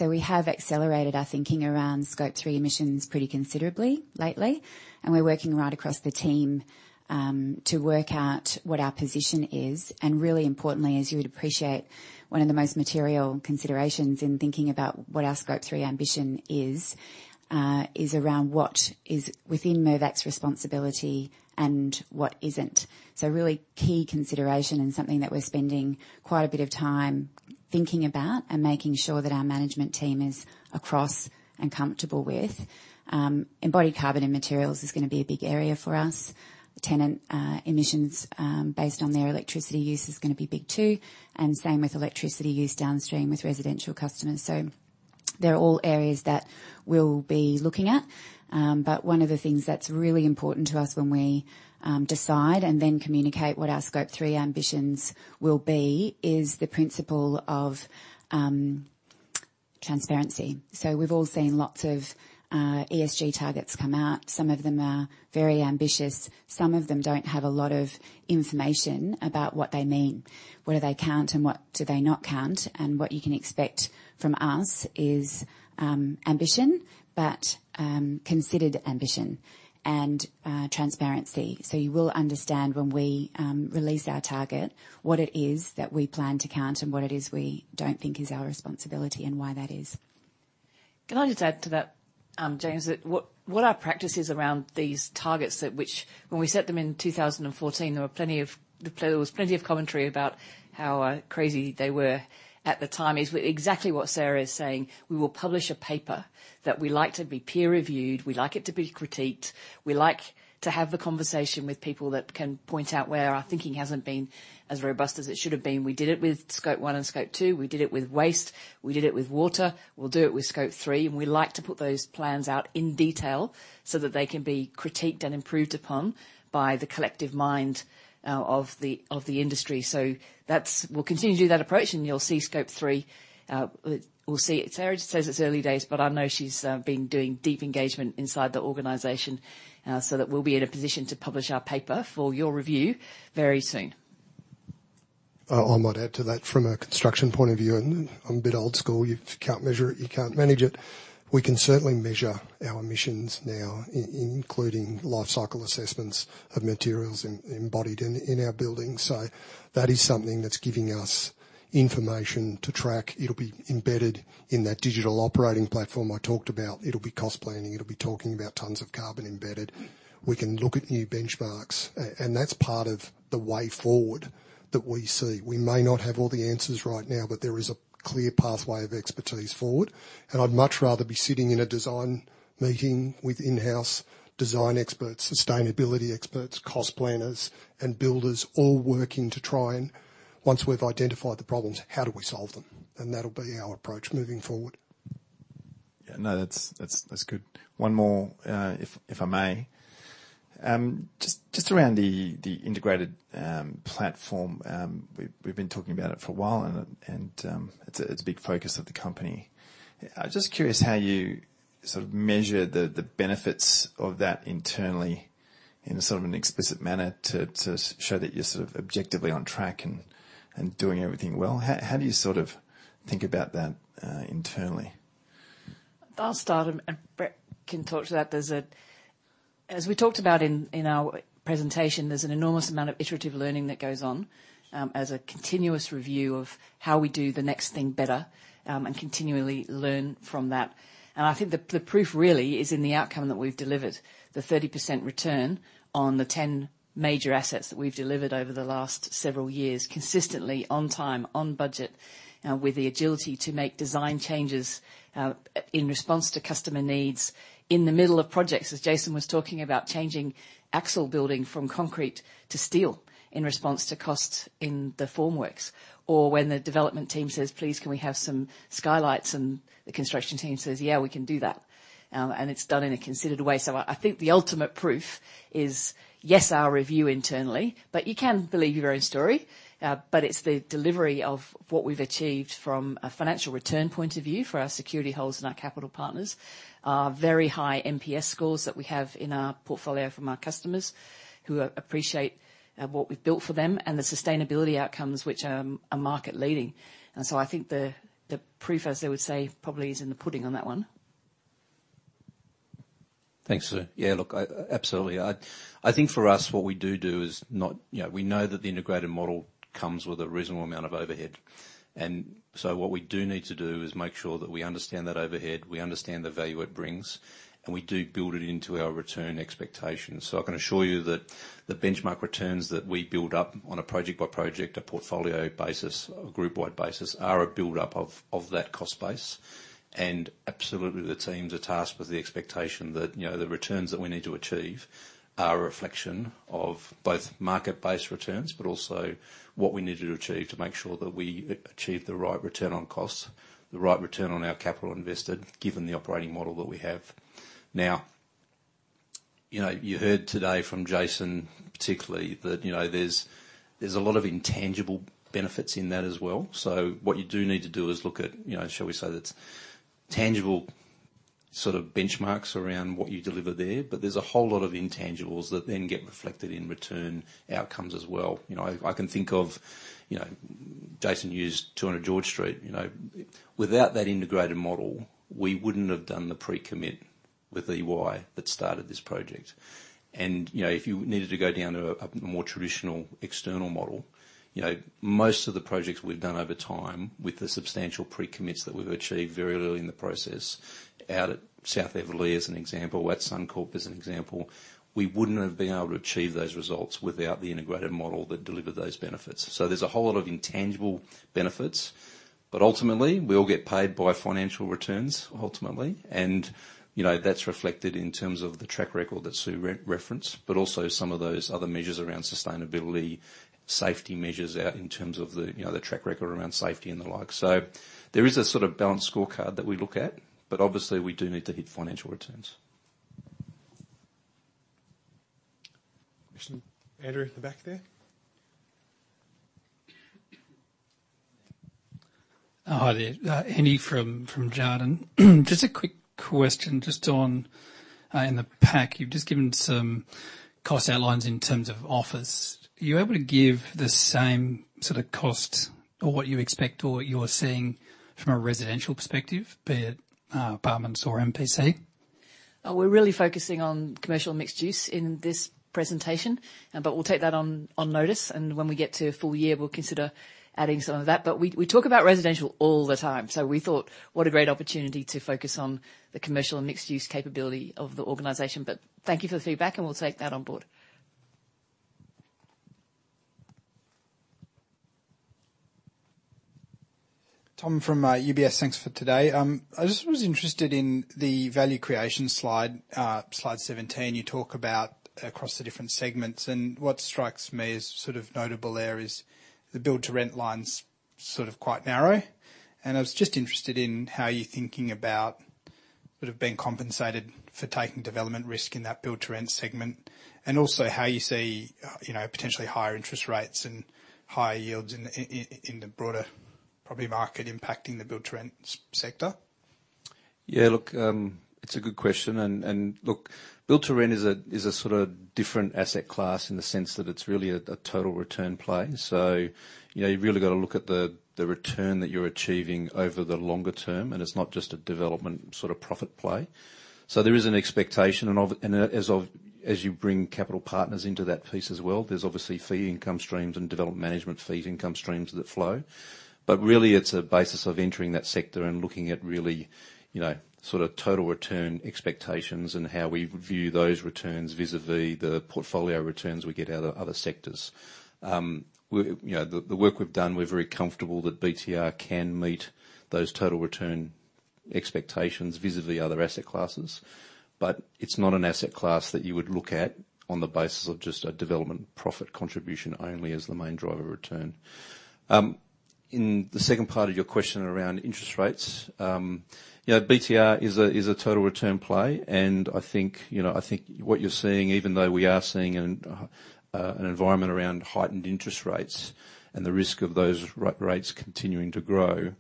We have accelerated our thinking around Scope three emissions pretty considerably lately, and we're working right across the team to work out what our position is. Really importantly, as you would appreciate, one of the most material considerations in thinking about what our Scope three ambition is is around what is within Mirvac's responsibility and what isn't. Really key consideration and something that we're spending quite a bit of time thinking about and making sure that our management team is across and comfortable with. Embodied carbon in materials is gonna be a big area for us. Tenant emissions based on their electricity use is gonna be big too, and same with electricity use downstream with residential customers. They're all areas that we'll be looking at. But one of the things that's really important to us when we decide and then communicate what our Scope three ambitions will be is the principle of, Transparency. We've all seen lots of ESG targets come out. Some of them are very ambitious, some of them don't have a lot of information about what they mean, whether they count and what they do not count. What you can expect from us is ambition, but considered ambition and transparency. You will understand when we release our target, what it is that we plan to count and what it is we don't think is our responsibility and why that is. Can I just add to that, James? What our practice is around these targets that which when we set them in 2014, there was plenty of commentary about how crazy they were at the time, is exactly what Sarah is saying. We will publish a paper that we like to be peer-reviewed, we like it to be critiqued, we like to have the conversation with people that can point out where our thinking hasn't been as robust as it should have been. We did it with Scope one and Scope two. We did it with waste. We did it with water. We'll do it with Scope three. We like to put those plans out in detail so that they can be critiqued and improved upon by the collective mind of the industry. We'll continue to do that approach, and you'll see Scope three. We'll see. Sarah says it's early days, but I know she's been doing deep engagement inside the organization, so that we'll be in a position to publish our paper for your review very soon. I might add to that from a construction point of view, and I'm a bit old school, if you can't measure it, you can't manage it. We can certainly measure our emissions now including life cycle assessments of materials embodied in our buildings. So that is something that's giving us information to track. It'll be embedded in that digital operating platform I talked about. It'll be cost planning. It'll be talking about tons of carbon embedded. We can look at new benchmarks, and that's part of the way forward that we see. We may not have all the answers right now, but there is a clear pathway of expertise forward. I'd much rather be sitting in a design meeting with in-house design experts, sustainability experts, cost planners, and builders all working to try and once we've identified the problems, how do we solve them? That'll be our approach moving forward. Yeah, no, that's good. One more, if I may. Just around the integrated platform, we've been talking about it for a while and it's a big focus of the company. I'm just curious how you sort of measure the benefits of that internally in a sort of an explicit manner to show that you're sort of objectively on track and doing everything well. How do you sort of think about that internally? I'll start and Brett can talk to that. As we talked about in our presentation, there's an enormous amount of iterative learning that goes on, as a continuous review of how we do the next thing better, and continually learn from that. I think the proof really is in the outcome that we've delivered. The 30% return on the 10 major assets that we've delivered over the last several years, consistently on time, on budget, with the agility to make design changes, in response to customer needs in the middle of projects. As Jason was talking about changing axle building from concrete to steel in response to costs in the form works. When the development team says, "Please, can we have some skylights?" The construction team says, "Yeah, we can do that." It's done in a considered way. I think the ultimate proof is, yes, our review internally, but you can believe your own story. It's the delivery of what we've achieved from a financial return point of view for our security holders and our capital partners. Our very high NPS scores that we have in our portfolio from our customers who appreciate what we've built for them and the sustainability outcomes which are market leading. I think the proof, as they would say, probably is in the pudding on that one. Thanks, Sue. Yeah, look, absolutely. I think for us, what we do is not. You know, we know that the integrated model comes with a reasonable amount of overhead. What we do need to do is make sure that we understand that overhead, we understand the value it brings, and we do build it into our return expectations. I can assure you that the benchmark returns that we build up on a project-by-project, a portfolio basis, a group wide basis, are a build-up of that cost base. Absolutely, the teams are tasked with the expectation that, you know, the returns that we need to achieve are a reflection of both market-based returns, but also what we need to achieve to make sure that we achieve the right return on costs, the right return on our capital invested, given the operating model that we have. Now, you know, you heard today from Jason, particularly that, you know, there's a lot of intangible benefits in that as well. So what you do need to do is look at, you know, shall we say, that's tangible sort of benchmarks around what you deliver there. But there's a whole lot of intangibles that then get reflected in return outcomes as well. You know, I can think of, you know, Jason used 200 George Street. You know, without that integrated model, we wouldn't have done the pre-commit with EY that started this project. You know, if you needed to go down a more traditional external model, you know, most of the projects we've done over time with the substantial pre-commits that we've achieved very early in the process, out at South Eveleigh as an example, at Suncorp as an example, we wouldn't have been able to achieve those results without the integrated model that delivered those benefits. There's a whole lot of intangible benefits, but ultimately, we all get paid by financial returns, ultimately. You know, that's reflected in terms of the track record that Sue referenced, but also some of those other measures around sustainability, safety measures out in terms of the, you know, the track record around safety and the like. There is a sort of balanced scorecard that we look at, but obviously, we do need to hit financial returns. Andrew at the back there. Hi there. Andy from Jarden. Just a quick question just on in the pack, you've just given some cost outlines in terms of office. Are you able to give the same sort of costs or what you expect or what you're seeing from a residential perspective, be it apartments or MPC? We're really focusing on commercial and mixed use in this presentation, but we'll take that on notice, and when we get to full year, we'll consider adding some of that. We talk about residential all the time, so we thought what a great opportunity to focus on the commercial and mixed use capability of the organization. Thank you for the feedback, and we'll take that on board. Tom from UBS. Thanks for today. I just was interested in the value creation slide 17. You talk about across the different segments, and what strikes me as sort of notable there is the build to rent line's sort of quite narrow. I was just interested in how you're thinking about sort of being compensated for taking development risk in that build to rent segment and also how you see, you know, potentially higher interest rates and higher yields in the broader property market impacting the build to rent sector. Yeah. Look, it's a good question. Look, build to rent is a sorta different asset class in the sense that it's really a total return play. You know, you've really gotta look at the return that you're achieving over the longer term, and it's not just a development sort of profit play. There is an expectation as you bring capital partners into that piece as well. There's obviously fee income streams and development management fee income streams that flow. Really it's a basis of entering that sector and looking at really, you know, sorta total return expectations and how we view those returns vis-à-vis the portfolio returns we get out of other sectors. You know, the work we've done, we're very comfortable that BTR can meet those total return expectations vis-à-vis other asset classes, but it's not an asset class that you would look at on the basis of just a development profit contribution only as the main driver of return. In the second part of your question around interest rates, you know, BTR is a total return play, and I think what you're seeing, even though we are seeing an environment around heightened interest rates and the risk of those rates continuing to grow,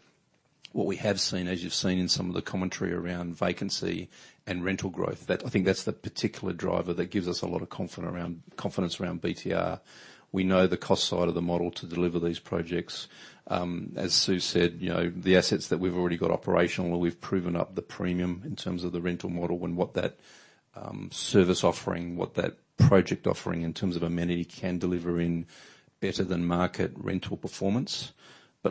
what we have seen, as you've seen in some of the commentary around vacancy and rental growth, that I think that's the particular driver that gives us a lot of confidence around BTR. We know the cost side of the model to deliver these projects. As Sue said, you know, the assets that we've already got operational where we've proven up the premium in terms of the rental model and what that service offering, what that project offering in terms of amenity can deliver in better than market rental performance.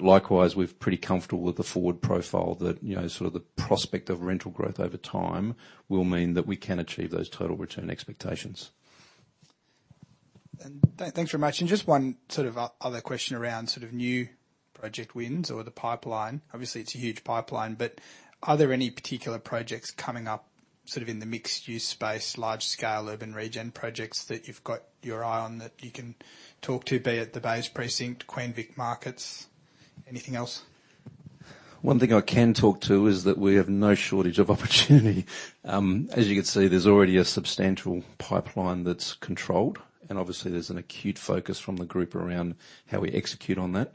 Likewise, we're pretty comfortable with the forward profile that, you know, sort of the prospect of rental growth over time will mean that we can achieve those total return expectations. Thanks very much. Just one sort of other question around sort of new project wins or the pipeline. Obviously, it's a huge pipeline, but are there any particular projects coming up sort of in the mixed use space, large scale urban regen projects that you've got your eye on that you can talk to, be it the Bays Precinct, Queen Vic Markets, anything else? One thing I can talk to is that we have no shortage of opportunity. As you can see, there's already a substantial pipeline that's controlled, and obviously there's an acute focus from the group around how we execute on that.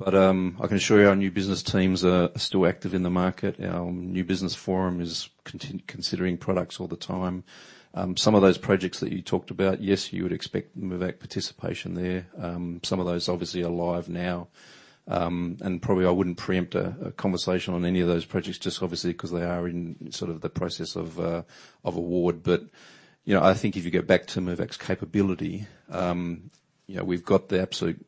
I can assure you our new business teams are still active in the market. Our new business forum is considering products all the time. Some of those projects that you talked about, yes, you would expect Mirvac participation there. Probably I wouldn't preempt a conversation on any of those projects just obviously 'cause they are in sort of the process of award. You know, I think if you go back to Mirvac's capability, you know, we've got the absolute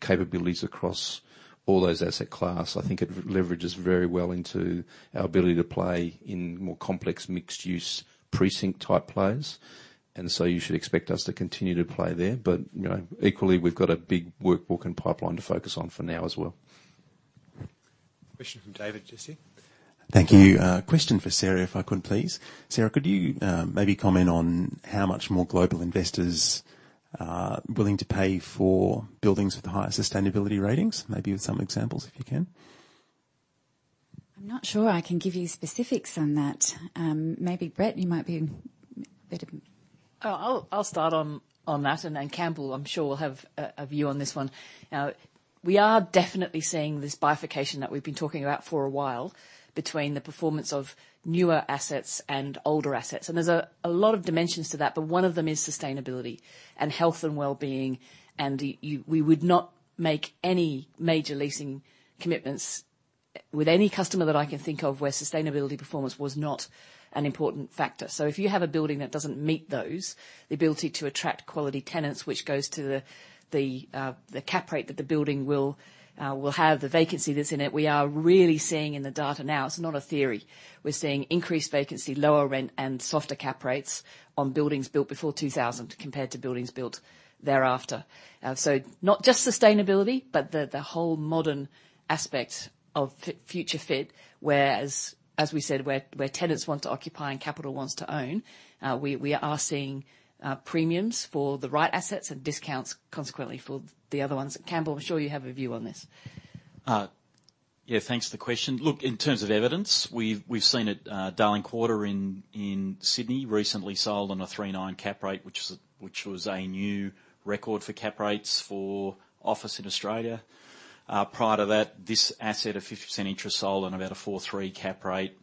capabilities across all those asset class. I think it leverages very well into our ability to play in more complex mixed use precinct type plays, and so you should expect us to continue to play there. You know, equally, we've got a big workbook and pipeline to focus on for now as well. Question from David Jesse. Thank you. Question for Sarah, if I could please. Sarah, could you maybe comment on how much more global investors are willing to pay for buildings with the highest sustainability ratings? Maybe with some examples, if you can. I'm not sure I can give you specifics on that. I'll start on that and then Campbell, I'm sure will have a view on this one. Now, we are definitely seeing this bifurcation that we've been talking about for a while between the performance of newer assets and older assets. There's a lot of dimensions to that, but one of them is sustainability and health and wellbeing. We would not make any major leasing commitments with any customer that I can think of where sustainability performance was not an important factor. If you have a building that doesn't meet those, the ability to attract quality tenants, which goes to the cap rate that the building will have, the vacancy that's in it, we are really seeing in the data now. It's not a theory. We're seeing increased vacancy, lower rent, and softer cap rates on buildings built before 2000 compared to buildings built thereafter. Not just sustainability, but the whole modern aspect of future fit, where, as we said, tenants want to occupy and capital wants to own, we are seeing premiums for the right assets and discounts consequently for the other ones. Campbell, I'm sure you have a view on this. Yeah, thanks for the question. Look, in terms of evidence, we've seen it, Darling Quarter in Sydney recently sold on a 3.9% cap rate, which was a new record for cap rates for office in Australia. Prior to that, this asset of 50% interest sold on about a 4.3% cap rate.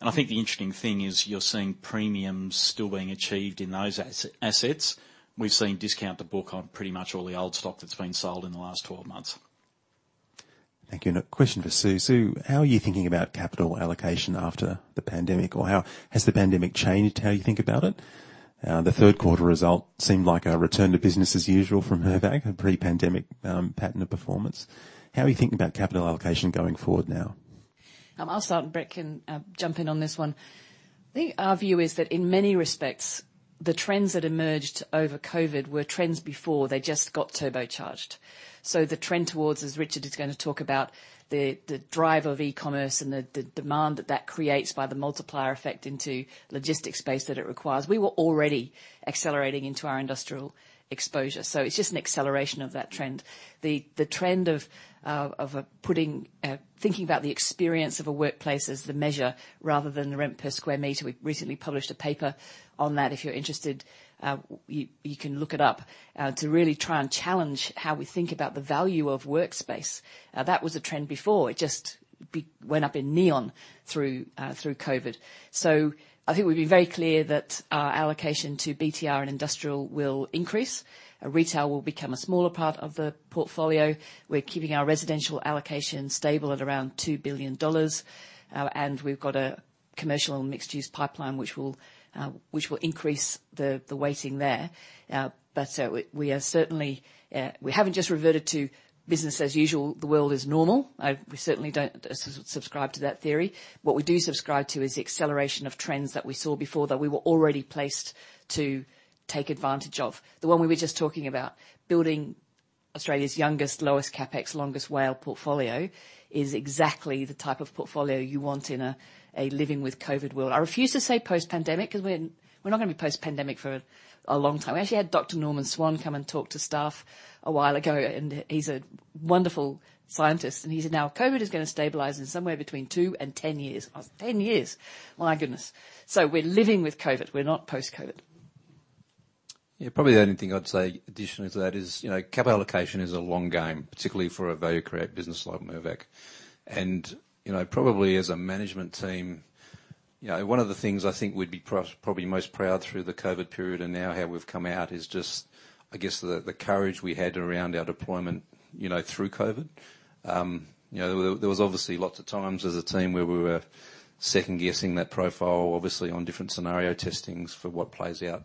I think the interesting thing is you're seeing premiums still being achieved in those assets. We've seen discount to the book on pretty much all the old stock that's been sold in the last 12 months. Thank you. A question for Sue. Sue, how are you thinking about capital allocation after the pandemic? Has the pandemic changed how you think about it? The third quarter results seemed like a return to business as usual from Mirvac, a pre-pandemic pattern of performance. How are you thinking about capital allocation going forward now? I'll start and Brett can jump in on this one. I think our view is that in many respects, the trends that emerged over COVID were trends before. They just got turbocharged. The trend towards, as Richard is gonna talk about, the drive of e-commerce and the demand that that creates by the multiplier effect into logistics space that it requires. We were already accelerating into our industrial exposure, so it's just an acceleration of that trend. The trend of thinking about the experience of a workplace as the measure rather than the rent per sq meter. We recently published a paper on that. If you're interested, you can look it up to really try and challenge how we think about the value of workspace. That was a trend before. It just went up in neon through COVID. I think we'd be very clear that our allocation to BTR and industrial will increase. Retail will become a smaller part of the portfolio. We're keeping our residential allocation stable at around 2 billion dollars. And we've got a commercial and mixed-use pipeline which will increase the weighting there. But we are certainly we haven't just reverted to business as usual, the world is normal. We certainly don't subscribe to that theory. What we do subscribe to is the acceleration of trends that we saw before that we were already placed to take advantage of. The one we were just talking about, building Australia's youngest, lowest CapEx, longest WALE portfolio is exactly the type of portfolio you want in a living with COVID world. I refuse to say post-pandemic because we're not going to be post-pandemic for a long time. We actually had Dr. Norman Swan come and talk to staff a while ago, and he's a wonderful scientist, and he said, now, COVID is going to stabilize in somewhere between two and 10 years. I was, ten years? My goodness. We're living with COVID. We're not post-COVID. Yeah, probably the only thing I'd say additionally to that is, you know, capital allocation is a long game, particularly for a value create business like Mirvac. You know, probably as a management team, you know, one of the things I think we'd be probably most proud through the COVID period and now how we've come out is just, I guess, the courage we had around our deployment, you know, through COVID. You know, there was obviously lots of times as a team where we were second-guessing that profile, obviously on different scenario testings for what plays out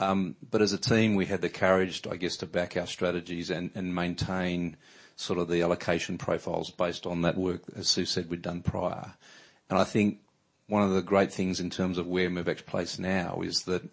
post-COVID. As a team, we had the courage, I guess, to back our strategies and maintain sort of the allocation profiles based on that work, as Sue said, we'd done prior. I think one of the great things in terms of where Mirvac's placed now is that, you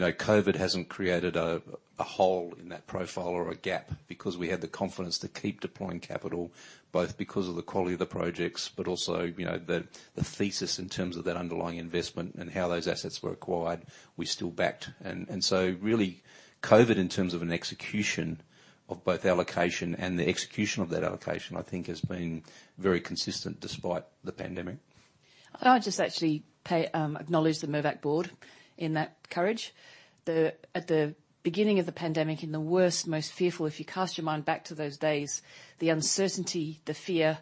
know, COVID hasn't created a hole in that profile or a gap because we had the confidence to keep deploying capital, both because of the quality of the projects, but also, you know, the thesis in terms of that underlying investment and how those assets were acquired, we still backed. Really COVID in terms of an execution of both allocation and the execution of that allocation, I think has been very consistent despite the pandemic. Can I just actually acknowledge the Mirvac board in that courage. At the beginning of the pandemic, in the worst, most fearful, if you cast your mind back to those days, the uncertainty, the fear,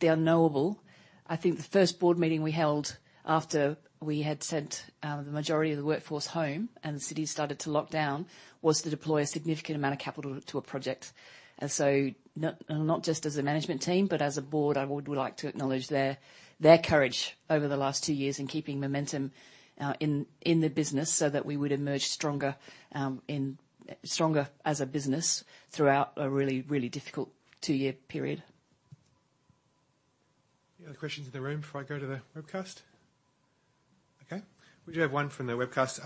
the unknowable. I think the first board meeting we held after we had sent the majority of the workforce home and the city started to lock down was to deploy a significant amount of capital to a project. Not just as a management team, but as a board, I would like to acknowledge their courage over the last two years in keeping momentum in the business so that we would emerge stronger as a business throughout a really difficult two-year period. Any other questions in the room before I go to the webcast? Okay. We do have one from the webcast.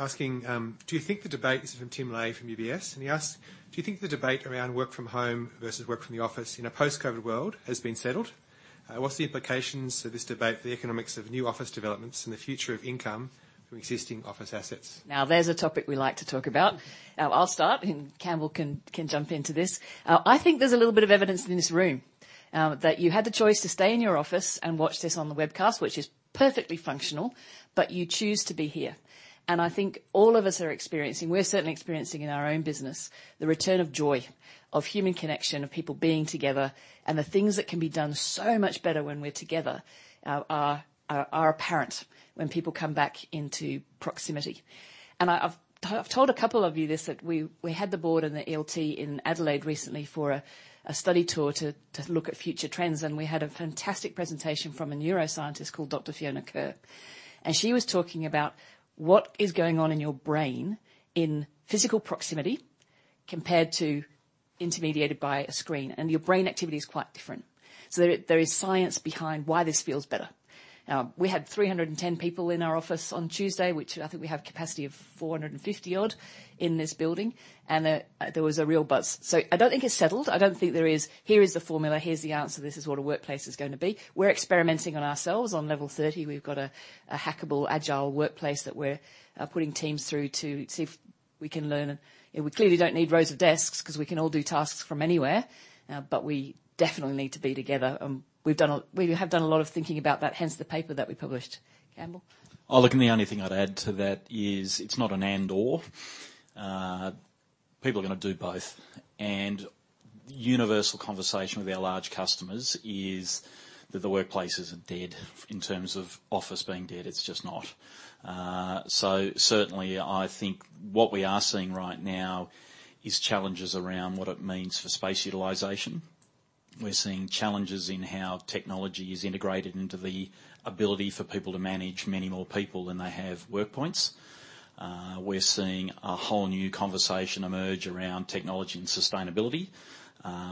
This is from Tim Leahy from UBS. He asks, do you think the debate around work from home versus work from the office in a post-COVID world has been settled? What's the implications of this debate for the economics of new office developments and the future of income from existing office assets? Now, there's a topic we like to talk about. I'll start and Campbell can jump into this. I think there's a little bit of evidence in this room that you had the choice to stay in your office and watch this on the webcast, which is perfectly functional, but you choose to be here. I think all of us are experiencing, we're certainly experiencing in our own business, the return of joy, of human connection, of people being together. The things that can be done so much better when we're together are apparent when people come back into proximity. I've told a couple of you this, that we had the board and the ELT in Adelaide recently for a study tour to look at future trends. We had a fantastic presentation from a neuroscientist called Dr. Fiona Kerr. Fiona Kerr, and she was talking about what is going on in your brain in physical proximity compared to intermediated by a screen, and your brain activity is quite different. There is science behind why this feels better. Now, we had 310 people in our office on Tuesday, which I think we have capacity of 450-odd in this building, and there was a real buzz. I don't think it's settled. I don't think there is, here is the formula, here's the answer, this is what a workplace is gonna be. We're experimenting on ourselves. On level 30, we've got a hackable agile workplace that we're putting teams through to see if- We can learn and we clearly don't need rows of desks because we can all do tasks from anywhere, but we definitely need to be together. We've done a lot of thinking about that, hence the paper that we published. Campbell? Oh, look, the only thing I'd add to that is it's not an and/or. People are gonna do both. Universal conversation with our large customers is that the workplace isn't dead in terms of office being dead. It's just not. Certainly, I think what we are seeing right now is challenges around what it means for space utilization. We're seeing challenges in how technology is integrated into the ability for people to manage many more people than they have work points. We're seeing a whole new conversation emerge around technology and sustainability,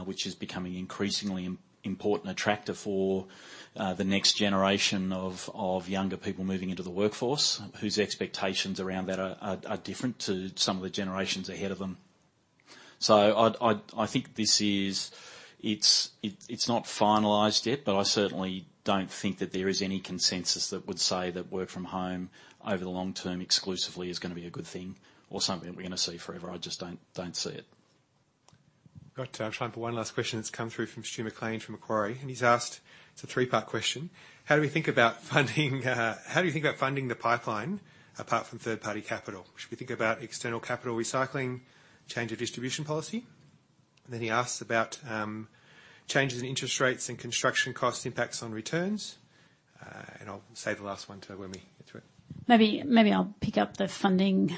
which is becoming increasingly important attractor for the next generation of younger people moving into the workforce, whose expectations around that are different to some of the generations ahead of them. I think it's not finalized yet, but I certainly don't think that there is any consensus that would say that work from home over the long term exclusively is gonna be a good thing or something that we're gonna see forever. I just don't see it. Got time for one last question that's come through from Stuart McLean from Macquarie, and he's asked, it's a three-part question. How do we think about funding the pipeline apart from third-party capital? Should we think about external capital recycling, change of distribution policy? He asks about changes in interest rates and construction cost impacts on returns. I'll save the last one till when we get to it. Maybe I'll pick up the funding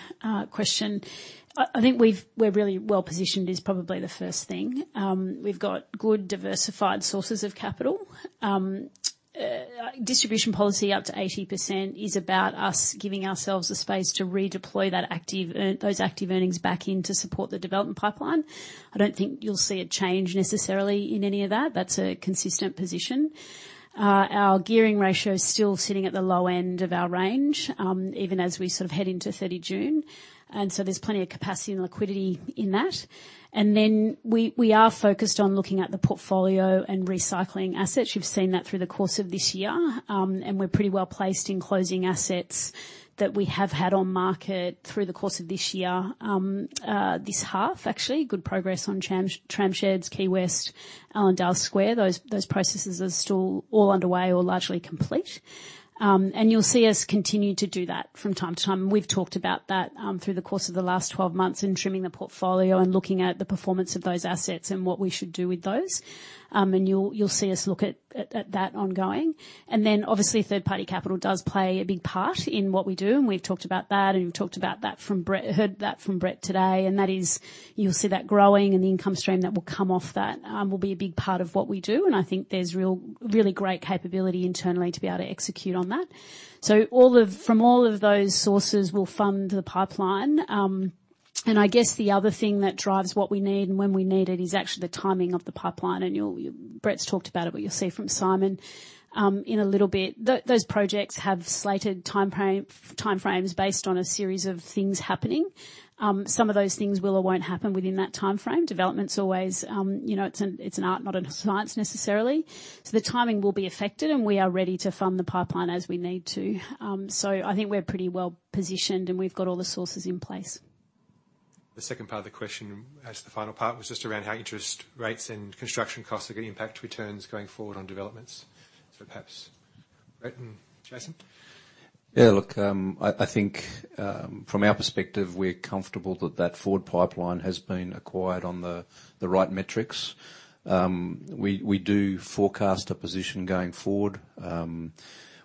question. I think we're really well-positioned is probably the first thing. We've got good diversified sources of capital. Distribution policy up to 80% is about us giving ourselves the space to redeploy those active earnings back in to support the development pipeline. I don't think you'll see a change necessarily in any of that. That's a consistent position. Our gearing ratio is still sitting at the low end of our range, even as we sort of head into 30 June, and so there's plenty of capacity and liquidity in that. Then we are focused on looking at the portfolio and recycling assets. You've seen that through the course of this year, and we're pretty well-placed in closing assets that we have had on market through the course of this year, this half, actually. Good progress on Tramsheds, Key West, Allendale sq. Those processes are still all underway or largely complete. You'll see us continue to do that from time to time. We've talked about that through the course of the last 12 months in trimming the portfolio and looking at the performance of those assets and what we should do with those. You'll see us look at that ongoing. Obviously, third-party capital does play a big part in what we do, and we've talked about that, and we've talked about that from Brett, heard that from Brett today, and that is, you'll see that growing and the income stream that will come off that will be a big part of what we do, and I think there's really great capability internally to be able to execute on that. From all of those sources, we'll fund the pipeline. I guess the other thing that drives what we need and when we need it is actually the timing of the pipeline. Brett's talked about it, but you'll see from Simon in a little bit. Those projects have slated timeframes based on a series of things happening. Some of those things will or won't happen within that timeframe. Development's always, you know, it's an art, not a science necessarily. The timing will be affected, and we are ready to fund the pipeline as we need to. I think we're pretty well-positioned, and we've got all the sources in place. The second part of the question as the final part was just around how interest rates and construction costs are gonna impact returns going forward on developments. Perhaps Brett and Jason. Yeah, look, I think from our perspective, we're comfortable that forward pipeline has been acquired on the right metrics. We do forecast a position going forward.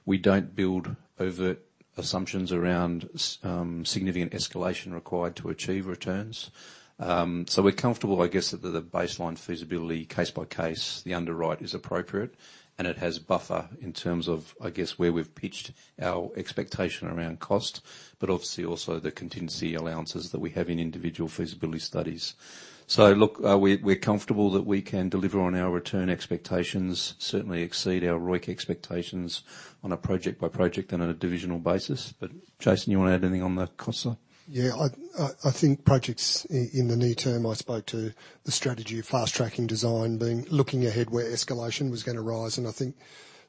We don't build overt assumptions around significant escalation required to achieve returns. We're comfortable, I guess, that the baseline feasibility case by case, the underwrite is appropriate, and it has buffer in terms of, I guess, where we've pitched our expectation around cost, but obviously also the contingency allowances that we have in individual feasibility studies. Look, we're comfortable that we can deliver on our return expectations, certainly exceed our ROIC expectations on a project by project and on a divisional basis. Jason, you wanna add anything on the cost side? Yeah. I think projects in the near term. I spoke to the strategy of fast-tracking design and looking ahead where escalation was gonna rise, and I think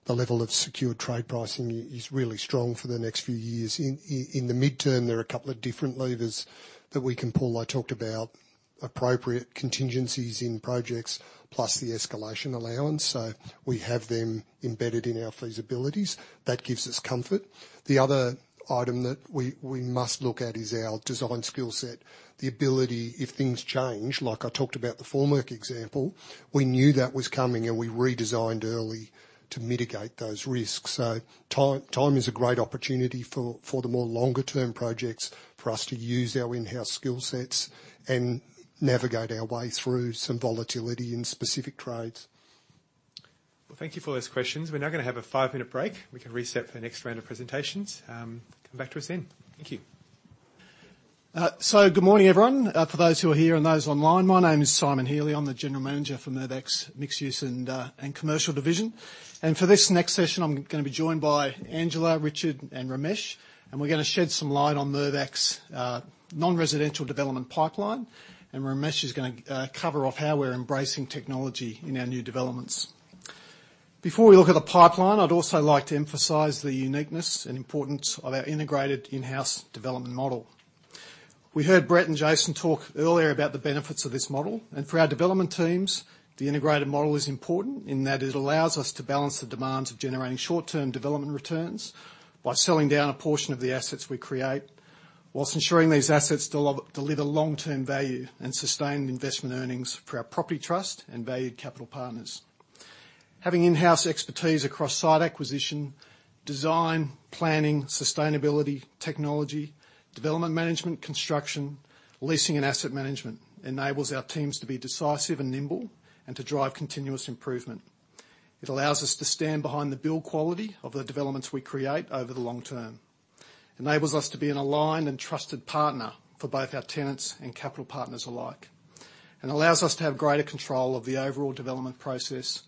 the level of secured trade pricing is really strong for the next few years. In the mid term, there are a couple of different levers that we can pull. I talked about appropriate contingencies in projects plus the escalation allowance. So we have them embedded in our feasibilities. That gives us comfort. The other item that we must look at is our design skill set, the ability if things change, like I talked about the Formwork example. We knew that was coming and we redesigned early to mitigate those risks. Time is a great opportunity for the more longer term projects for us to use our in-house skill sets and navigate our way through some volatility in specific trades. Well, thank you for those questions. We're now gonna have a 5-minute break. We can reset for the next round of presentations. Come back to us then. Thank you. Good morning, everyone. For those who are here and those online, my name is Simon Healy. I'm the general manager for Mirvac's Mixed Use and Commercial division. For this next session, I'm gonna be joined by Angela, Richard, and Ramesh, and we're gonna shed some light on Mirvac's non-residential development pipeline. Ramesh is gonna cover off how we're embracing technology in our new developments. Before we look at the pipeline, I'd also like to emphasize the uniqueness and importance of our integrated in-house development model. We heard Brett and Jason talk earlier about the benefits of this model, and for our development teams, the integrated model is important in that it allows us to balance the demands of generating short-term development returns by selling down a portion of the assets we create, while ensuring these assets deliver long-term value and sustained investment earnings for our property trust and valued capital partners. Having in-house expertise across site acquisition, design, planning, sustainability, technology, development management, construction, leasing, and asset management enables our teams to be decisive and nimble and to drive continuous improvement. It allows us to stand behind the build quality of the developments we create over the long term, enables us to be an aligned and trusted partner for both our tenants and capital partners alike, and allows us to have greater control of the overall development process,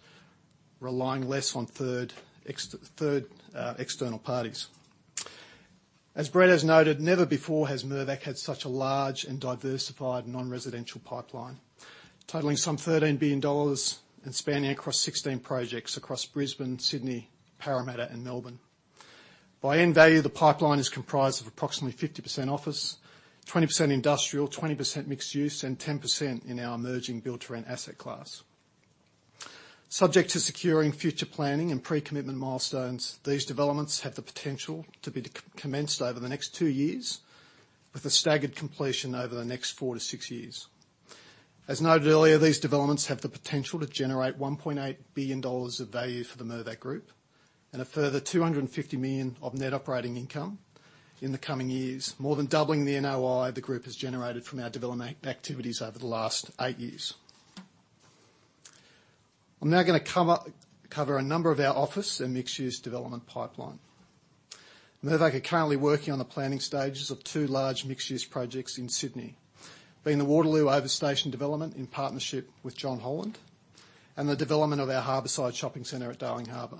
relying less on third external parties. As Brett has noted, never before has Mirvac had such a large and diversified non-residential pipeline, totaling some 13 billion dollars and spanning across 16 projects across Brisbane, Sydney, Parramatta, and Melbourne. By end value, the pipeline is comprised of approximately 50% office, 20% industrial, 20% mixed-use, and 10% in our emerging build-to-rent asset class. Subject to securing future planning and pre-commitment milestones, these developments have the potential to be commenced over the next two years with a staggered completion over the next 4-6 years. As noted earlier, these developments have the potential to generate 1.8 billion dollars of value for the Mirvac Group and a further 250 million of net operating income in the coming years, more than doubling the NOI the group has generated from our development activities over the last eight years. I'm now gonna cover a number of our office and mixed-use development pipeline. Mirvac are currently working on the planning stages of two large mixed-use projects in Sydney, being the Waterloo over station development in partnership with John Holland and the development of our Harbourside Shopping Centre at Darling Harbour.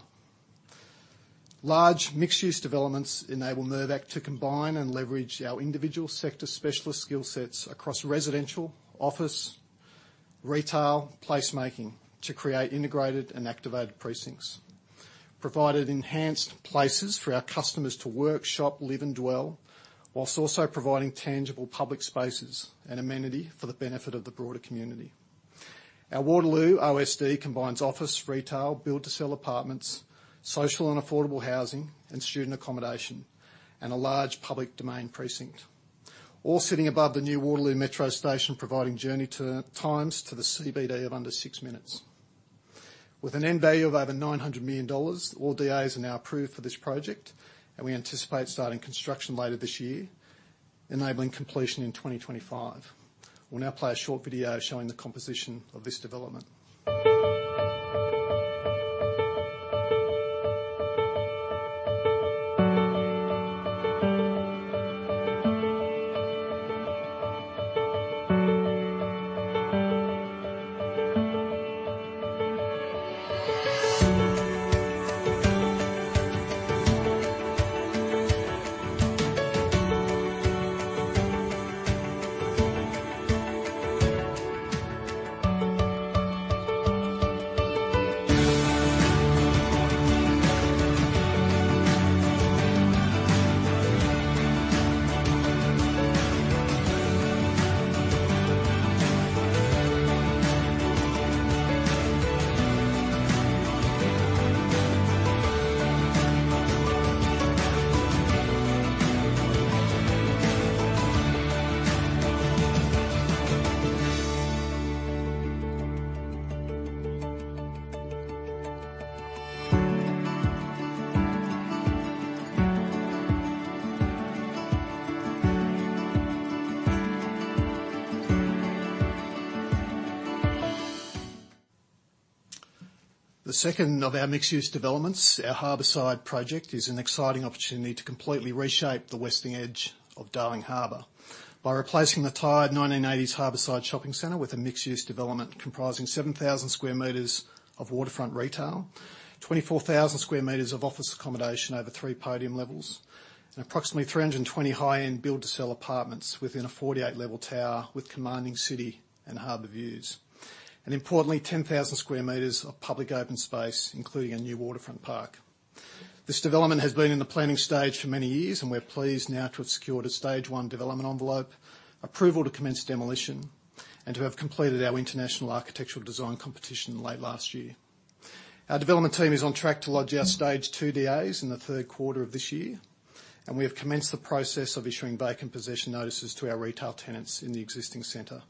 Large mixed-use developments enable Mirvac to combine and leverage our individual sector specialist skill sets across residential, office, retail, placemaking to create integrated and activated precincts, providing enhanced places for our customers to work, shop, live, and dwell, while also providing tangible public spaces and amenity for the benefit of the broader community. Our Waterloo OSD combines office, retail, build-to-sell apartments, social and affordable housing, and student accommodation, and a large public domain precinct, all sitting above the new Waterloo Metro station, providing journey times to the CBD of under six minutes. With an end value of over 900 million dollars, all DAs are now approved for this project, and we anticipate starting construction later this year, enabling completion in 2025. We'll now play a short video showing the composition of this development. The second of our mixed-use developments, our Harbourside project, is an exciting opportunity to completely reshape the western edge of Darling Harbour by replacing the tired 1980s Harbourside Shopping Centre with a mixed-use development comprising 7,000 sq m of waterfront retail, 24,000 sq m of office accommodation over three podium levels, and approximately 320 high-end build to sell apartments within a 48-level tower with commanding city and harbor views, and importantly, 10,000 sq m of public open space, including a new waterfront park. This development has been in the planning stage for many years, and we're pleased now to have secured a stage 1 development envelope, approval to commence demolition, and to have completed our international architectural design competition late last year. Our development team is on track to lodge our stage two DAs in the third quarter of this year, and we have commenced the process of issuing vacant possession notices to our retail tenants in the existing center,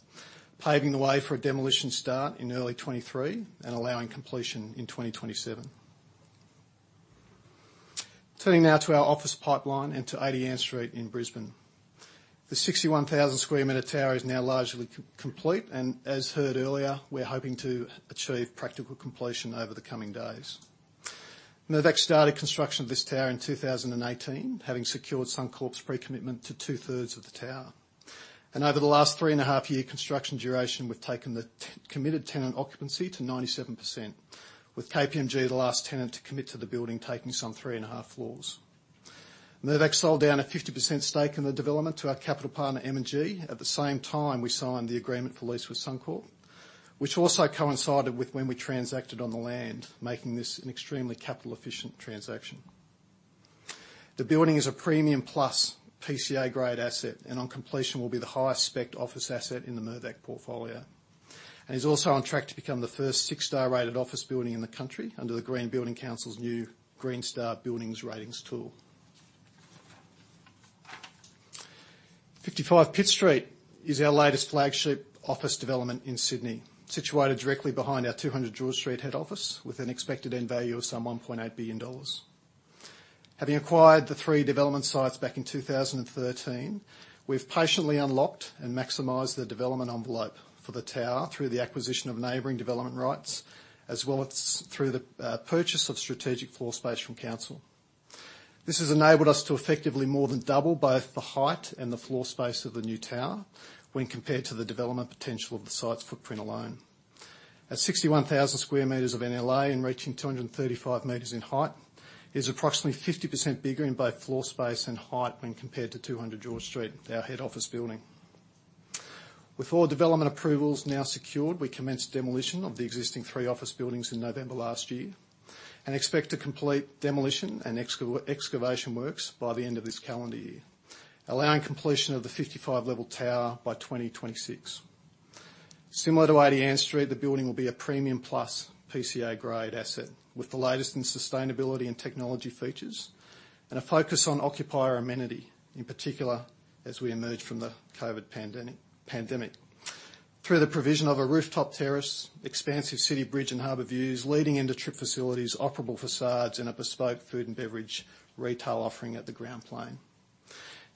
paving the way for a demolition start in early 2023 and allowing completion in 2027. Turning now to our office pipeline and to 80 Ann Street in Brisbane. The 61,000 sq meter tower is now largely complete, and as heard earlier, we're hoping to achieve practical completion over the coming days. Mirvac started construction of this tower in 2018, having secured Suncorp's pre-commitment to two-thirds of the tower. Over the last 3.5-year construction duration, we've taken the pre-committed tenant occupancy to 97%, with KPMG, the last tenant to commit to the building, taking some 3.5 floors. Mirvac sold down a 50% stake in the development to our capital partner, M&G. At the same time, we signed the agreement to lease with Suncorp, which also coincided with when we transacted on the land, making this an extremely capital-efficient transaction. The building is a premium plus PCA grade asset, and on completion will be the highest spec'd office asset in the Mirvac portfolio. It is also on track to become the first six-star rated office building in the country under the Green Building Council's new Green Star Buildings ratings tool. 55 Pitt Street is our latest flagship office development in Sydney. Situated directly behind our 200 George Street head office with an expected end value of some 1.8 billion dollars. Having acquired the three development sites back in 2013, we've patiently unlocked and maximized the development envelope for the tower through the acquisition of neighboring development rights, as well as through the purchase of strategic floor space from council. This has enabled us to effectively more than double both the height and the floor space of the new tower when compared to the development potential of the site's footprint alone. At 61,000 sq meters of NLA and reaching 235 meters in height, it is approximately 50% bigger in both floor space and height when compared to 200 George Street, our head office building. With all development approvals now secured, we commenced demolition of the existing three office buildings in November last year, and expect to complete demolition and excavation works by the end of this calendar year, allowing completion of the 55-level tower by 2026. Similar to 80 Ann Street, the building will be a premium plus PCA grade asset, with the latest in sustainability and technology features, and a focus on occupier amenity, in particular, as we emerge from the COVID pandemic. Through the provision of a rooftop terrace, expansive city, bridge and harbor views leading into trip facilities, operable facades, and a bespoke food and beverage retail offering at the ground plane.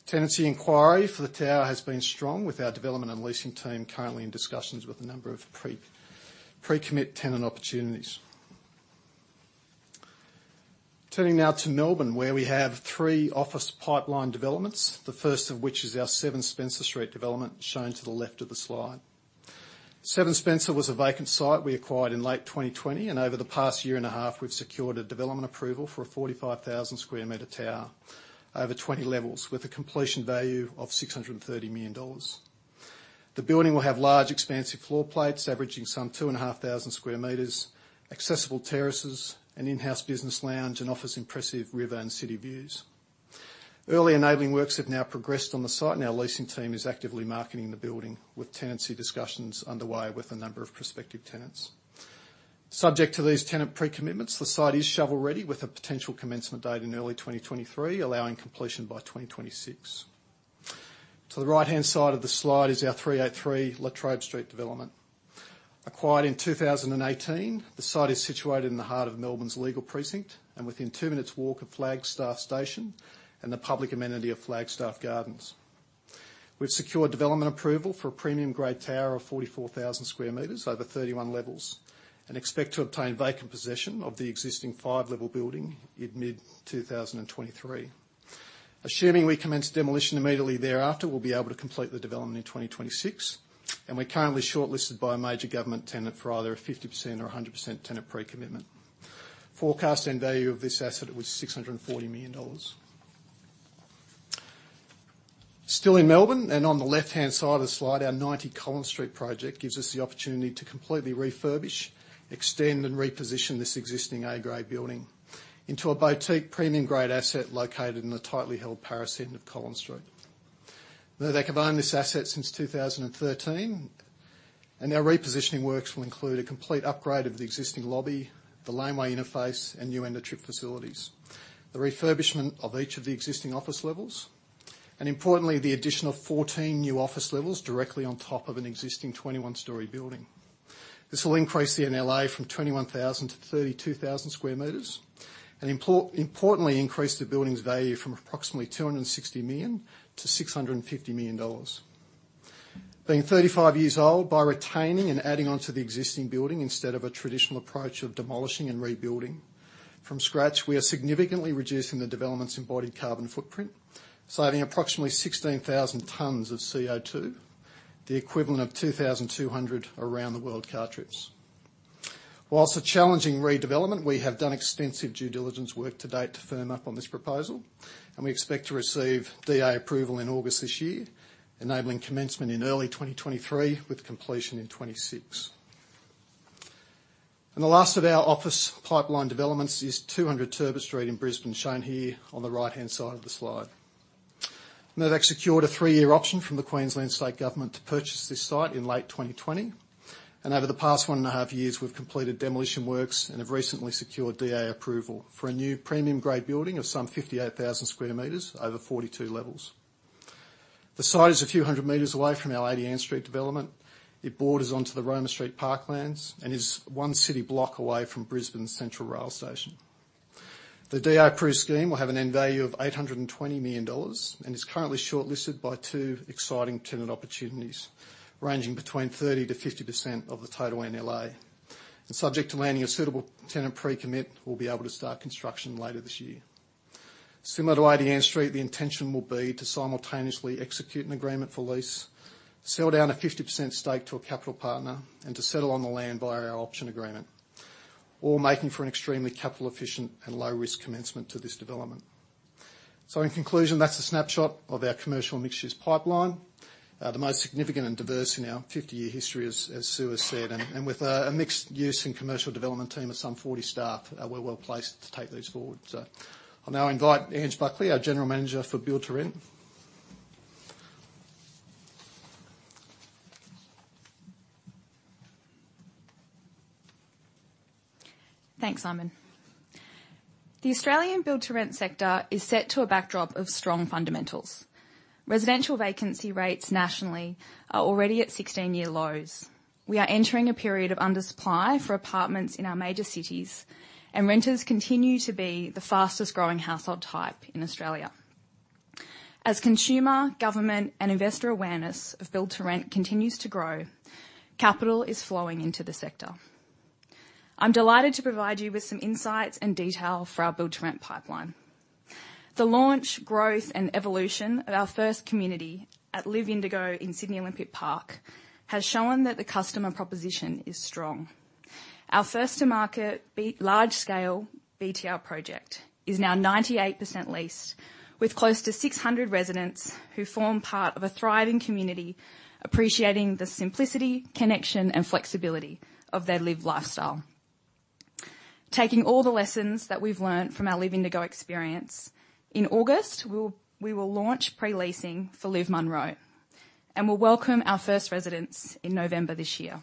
Tenancy inquiry for the tower has been strong with our development and leasing team currently in discussions with a number of pre-commit tenant opportunities. Turning now to Melbourne, where we have three office pipeline developments, the first of which is our seven Spencer Street development shown to the left of the slide. Seven Spencer Street was a vacant site we acquired in late 2020, and over the past year and a half, we've secured a development approval for a 45,000 sq meter tower over 20 levels with a completion value of 630 million dollars. The building will have large expansive floor plates averaging some 2,500 sq meters, accessible terraces, an in-house business lounge and offers impressive river and city views. Early enabling works have now progressed on the site, and our leasing team is actively marketing the building with tenancy discussions underway with a number of prospective tenants. Subject to these tenant pre-commitments, the site is shovel-ready with a potential commencement date in early 2023, allowing completion by 2026. To the right-hand side of the slide is our 383 La Trobe Street development. Acquired in 2018, the site is situated in the heart of Melbourne's legal precinct and within two minutes walk of Flagstaff station and the public amenity of Flagstaff Gardens. We've secured development approval for a premium-grade tower of 44,000 sq m over 31 levels, and expect to obtain vacant possession of the existing five level building in mid 2023. Assuming we commence demolition immediately thereafter, we'll be able to complete the development in 2026, and we're currently shortlisted by a major government tenant for either a 50% or a 100% tenant pre-commitment. Forecast end value of this asset was 640 million dollars. Still in Melbourne and on the left-hand side of the slide, our 90 Collins Street project gives us the opportunity to completely refurbish, extend, and reposition this existing A grade building into a boutique premium-grade asset located in the tightly held Paris end of Collins Street. Mirvac have owned this asset since 2013, and our repositioning works will include a complete upgrade of the existing lobby, the laneway interface, and new end-of-trip facilities. The refurbishment of each of the existing office levels, and importantly, the addition of 14 new office levels directly on top of an existing 21-story building. This will increase the NLA from 21,000 to 32,000 sq meters, and importantly increase the building's value from approximately 260 million to 650 million dollars. Being 35 years old, by retaining and adding on to the existing building instead of a traditional approach of demolishing and rebuilding from scratch, we are significantly reducing the development's embodied carbon footprint, saving approximately 16,000 tons of CO2, the equivalent of 2,200 around the world car trips. While a challenging redevelopment, we have done extensive due diligence work to date to firm up on this proposal, and we expect to receive DA approval in August this year, enabling commencement in early 2023 with completion in 2026. The last of our office pipeline developments is 200 Turbot Street in Brisbane, shown here on the right-hand side of the slide. Mirvac secured a three year option from the Queensland Government to purchase this site in late 2020, and over the past one and a half years, we've completed demolition works and have recently secured DA approval for a new premium-grade building of some 58,000 sq meters over 42 levels. The site is a few hundred meters away from our 80 Ann Street development. It borders onto the Roma Street Parklands and is one city block away from Brisbane's central rail station. The DA approved scheme will have an end value of 820 million dollars and is currently shortlisted by two exciting tenant opportunities ranging between 30%-50% of the total NLA. Subject to landing a suitable tenant pre-commit, we'll be able to start construction later this year. Similar to 80 Ann Street, the intention will be to simultaneously execute an agreement for lease, sell down a 50% stake to a capital partner, and to settle on the land via our option agreement. All making for an extremely capital efficient and low risk commencement to this development. In conclusion, that's a snapshot of our commercial mixed-use pipeline. The most significant and diverse in our 50-year history, as Stu has said, and with a mixed-use and commercial development team of some 40 staff, we're well placed to take these forward. I'll now invite Ange Buckley, our general manager for Build to Rent. Thanks, Simon. The Australian Build to Rent sector is set to a backdrop of strong fundamentals. Residential vacancy rates nationally are already at 16-year lows. We are entering a period of undersupply for apartments in our major cities, and renters continue to be the fastest growing household type in Australia. As consumer, government, and investor awareness of Build to Rent continues to grow, capital is flowing into the sector. I'm delighted to provide you with some insights and detail for our Build to Rent pipeline. The launch, growth, and evolution of our first community at LIV Indigo in Sydney Olympic Park has shown that the customer proposition is strong. Our first to market large scale BTR project is now 98% leased with close to 600 residents who form part of a thriving community appreciating the simplicity, connection, and flexibility of their LIV lifestyle. Taking all the lessons that we've learned from our LIV Indigo experience, in August, we will launch pre-leasing for LIV Munro, and we'll welcome our first residents in November this year.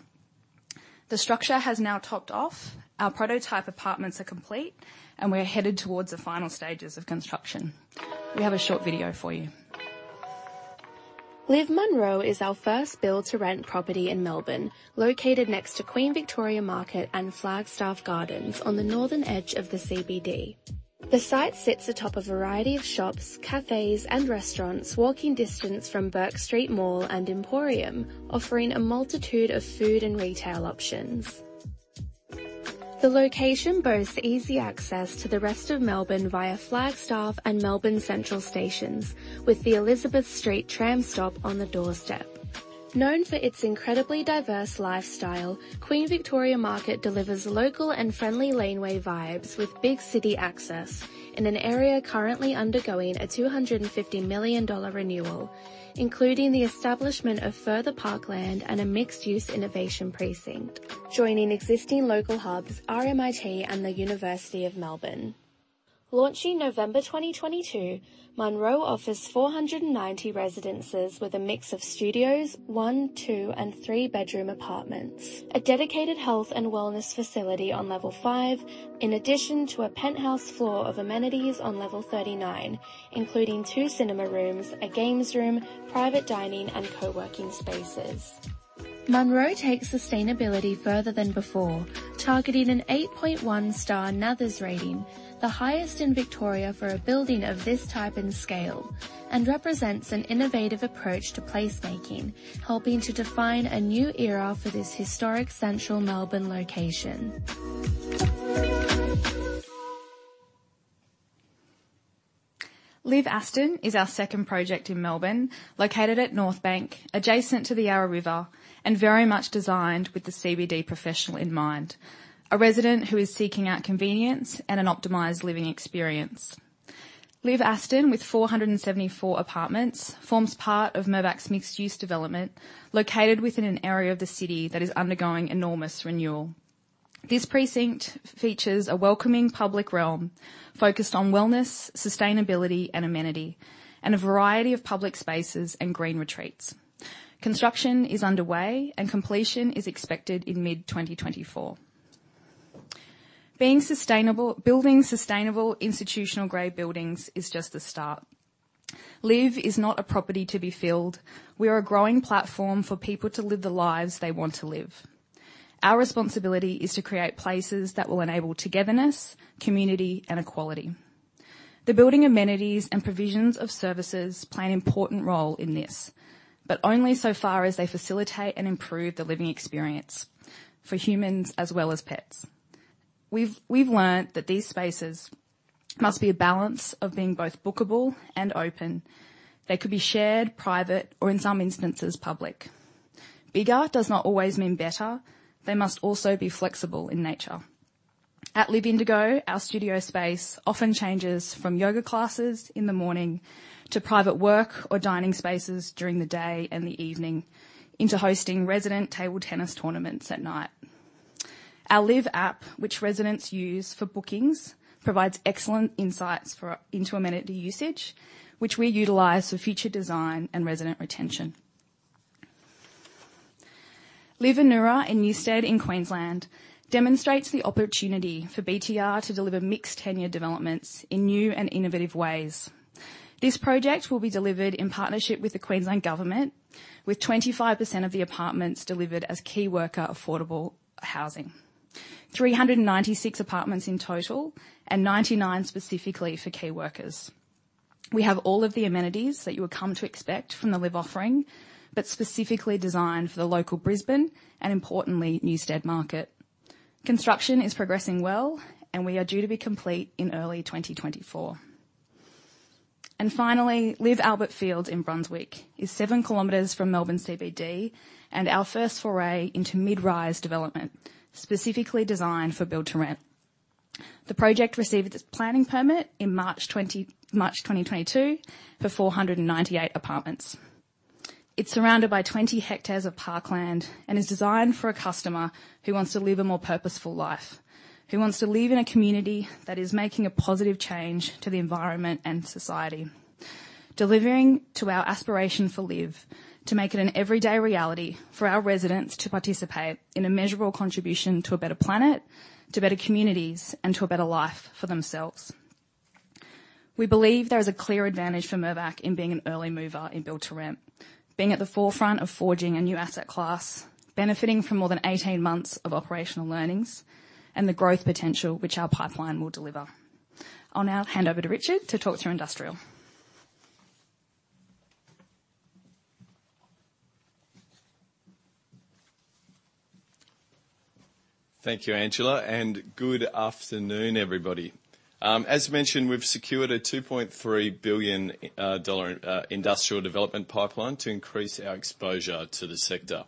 The structure has now topped off. Our prototype apartments are complete, and we're headed towards the final stages of construction. We have a short video for you. LIV Munro is our first build-to-rent property in Melbourne, located next to Queen Victoria Market and Flagstaff Gardens on the northern edge of the CBD. The site sits atop a variety of shops, cafes, and restaurants, walking distance from Bourke Street Mall and Emporium, offering a multitude of food and retail options. The location boasts easy access to the rest of Melbourne via Flagstaff and Melbourne Central stations, with the Elizabeth Street tram stop on the doorstep. Known for its incredibly diverse lifestyle, Queen Victoria Market delivers local and friendly laneway vibes with big city access in an area currently undergoing a 250 million dollar renewal, including the establishment of further parkland and a mixed-use innovation precinct. Joining existing local hubs, RMIT and The University of Melbourne. Launching November 2022, Munro offers 490 residences with a mix of studios, one, two, and three-bedroom apartments. A dedicated health and wellness facility on level 5, in addition to a penthouse floor of amenities on level 39, including two cinema rooms, a games room, private dining, and co-working spaces. Munro takes sustainability further than before, targeting an 8.1-star NABERS rating, the highest in Victoria for a building of this type and scale, and represents an innovative approach to placemaking, helping to define a new era for this historic central Melbourne location. LIV Aston is our second project in Melbourne, located at Northbank, adjacent to the Yarra River, and very much designed with the CBD professional in mind, a resident who is seeking out convenience and an optimized living experience. LIV Aston, with 474 apartments, forms part of Mirvac's mixed-use development, located within an area of the city that is undergoing enormous renewal. This precinct features a welcoming public realm focused on wellness, sustainability, and amenity, and a variety of public spaces and green retreats. Construction is underway and completion is expected in mid-2024. Being sustainable. Building sustainable institutional grade buildings is just the start. LIV is not a property to be filled. We are a growing platform for people to live the lives they want to live. Our responsibility is to create places that will enable togetherness, community, and equality. The building amenities and provisions of services play an important role in this, but only so far as they facilitate and improve the living experience for humans as well as pets. We've learned that these spaces must be a balance of being both bookable and open. They could be shared, private, or in some instances, public. Bigger does not always mean better. They must also be flexible in nature. At LIV Indigo, our studio space often changes from yoga classes in the morning to private work or dining spaces during the day and the evening, into hosting resident table tennis tournaments at night. Our LIV app, which residents use for bookings, provides excellent insights into amenity usage, which we utilize for future design and resident retention. LIV Anura in Newstead in Queensland demonstrates the opportunity for BTR to deliver mixed tenure developments in new and innovative ways. This project will be delivered in partnership with the Queensland Government, with 25% of the apartments delivered as key worker affordable housing. 396 apartments in total and 99 specifically for key workers. We have all of the amenities that you would come to expect from the LIV offering, but specifically designed for the local Brisbane and importantly, Newstead market. Construction is progressing well, and we are due to be complete in early 2024. Finally, LIV Albert Fields in Brunswick is 7 kilometers from Melbourne CBD and our first foray into mid-rise development, specifically designed for build to rent. The project received its planning permit in March 2022 for 498 apartments. It's surrounded by 20 hectares of parkland and is designed for a customer who wants to live a more purposeful life, who wants to live in a community that is making a positive change to the environment and society. Delivering to our aspiration for LIV, to make it an everyday reality for our residents to participate in a measurable contribution to a better planet, to better communities, and to a better life for themselves. We believe there is a clear advantage for Mirvac in being an early mover in build to rent, being at the forefront of forging a new asset class, benefiting from more than 18 months of operational learnings and the growth potential which our pipeline will deliver. I'll now hand over to Richard to talk through industrial. Thank you, Angela, and good afternoon, everybody. As mentioned, we've secured a 2.3 billion dollar industrial development pipeline to increase our exposure to the sector.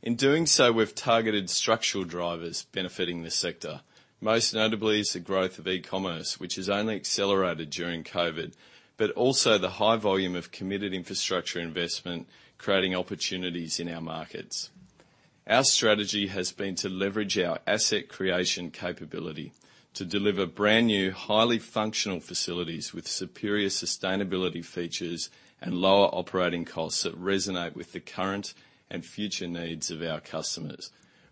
In doing so, we've targeted structural drivers benefiting this sector. Most notably is the growth of e-commerce, which has only accelerated during COVID, but also the high volume of committed infrastructure investment creating opportunities in our markets. Our strategy has been to leverage our asset creation capability to deliver brand-new, highly functional facilities with superior sustainability features and lower operating costs that resonate with the current and future needs of our customers.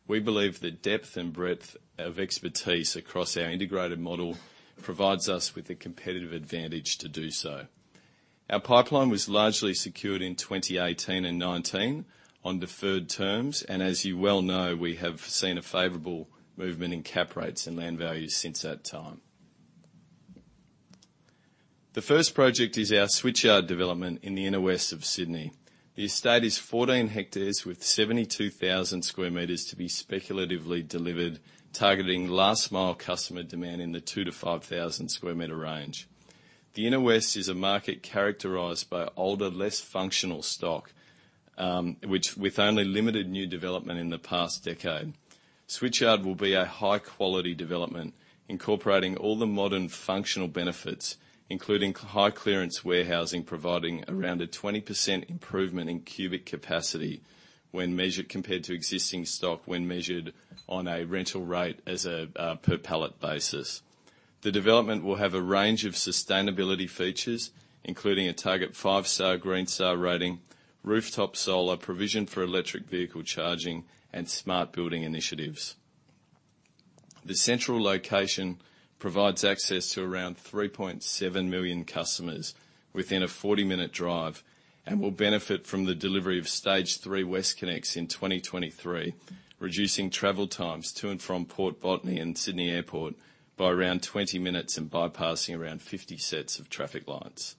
We believe the depth and breadth of expertise across our integrated model provides us with a competitive advantage to do so. Our pipeline was largely secured in 2018 and 2019 on deferred terms, and as you well know, we have seen a favorable movement in cap rates and land values since that time. The first project is our Switchyard development in the Inner West of Sydney. The estate is 14 hectares with 72,000 sq meters to be speculatively delivered, targeting last mile customer demand in the 2,000-5,000 sq meter range. The Inner West is a market characterized by older, less functional stock, which with only limited new development in the past decade. Switchyard will be a high-quality development incorporating all the modern functional benefits, including high clearance warehousing, providing around a 20% improvement in cubic capacity when measured compared to existing stock on a rental rate as a per pallet basis. The development will have a range of sustainability features, including a target five star Green Star rating, rooftop solar provision for electric vehicle charging and smart building initiatives. The central location provides access to around 3.7 million customers within a 40-minute drive and will benefit from the delivery of Stage 3 WestConnex in 2023, reducing travel times to and from Port Botany and Sydney Airport by around 20 minutes and bypassing around 50 sets of traffic lights.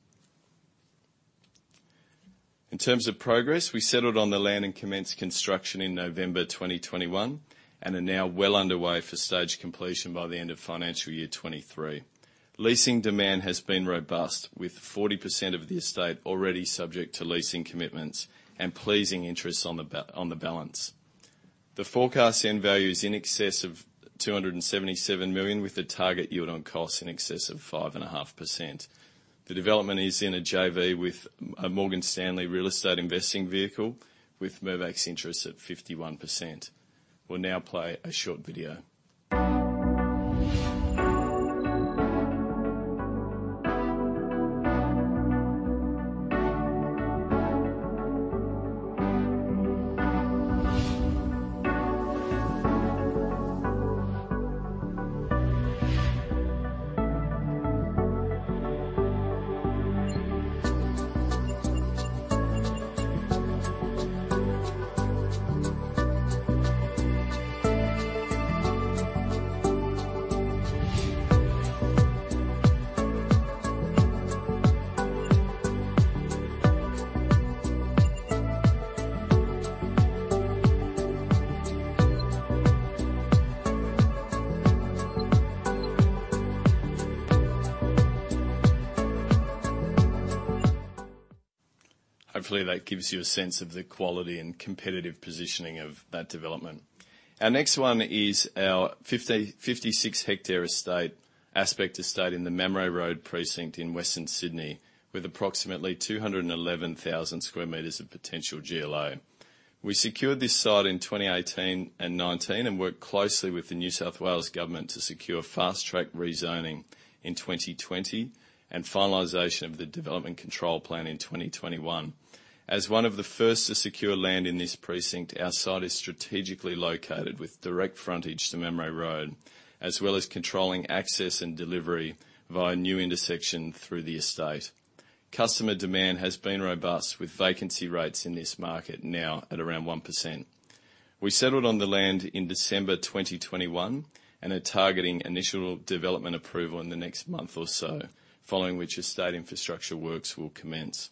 In terms of progress, we settled on the land and commenced construction in November 2021, and are now well underway for stage completion by the end of financial year 2023. Leasing demand has been robust, with 40% of the estate already subject to leasing commitments and pleasing interest on the balance. The forecast end value is in excess of 277 million, with a target yield on costs in excess of 5.5%. The development is in a JV with a Morgan Stanley Real Estate Investing vehicle with Mirvac's interest at 51%. We'll now play a short video. Hopefully, that gives you a sense of the quality and competitive positioning of that development. Our next one is our 56 hectare estate, Aspect estate in the Mamre Road precinct in Western Sydney, with approximately 211,000 sq meters of potential GLA. We secured this site in 2018 and 2019 and worked closely with the New South Wales government to secure fast-track rezoning in 2020 and finalization of the development control plan in 2021. As one of the first to secure land in this precinct, our site is strategically located with direct frontage to Mamre Road, as well as controlling access and delivery via a new intersection through the estate. Customer demand has been robust with vacancy rates in this market now at around 1%. We settled on the land in December 2021 and are targeting initial development approval in the next month or so, following which estate infrastructure works will commence.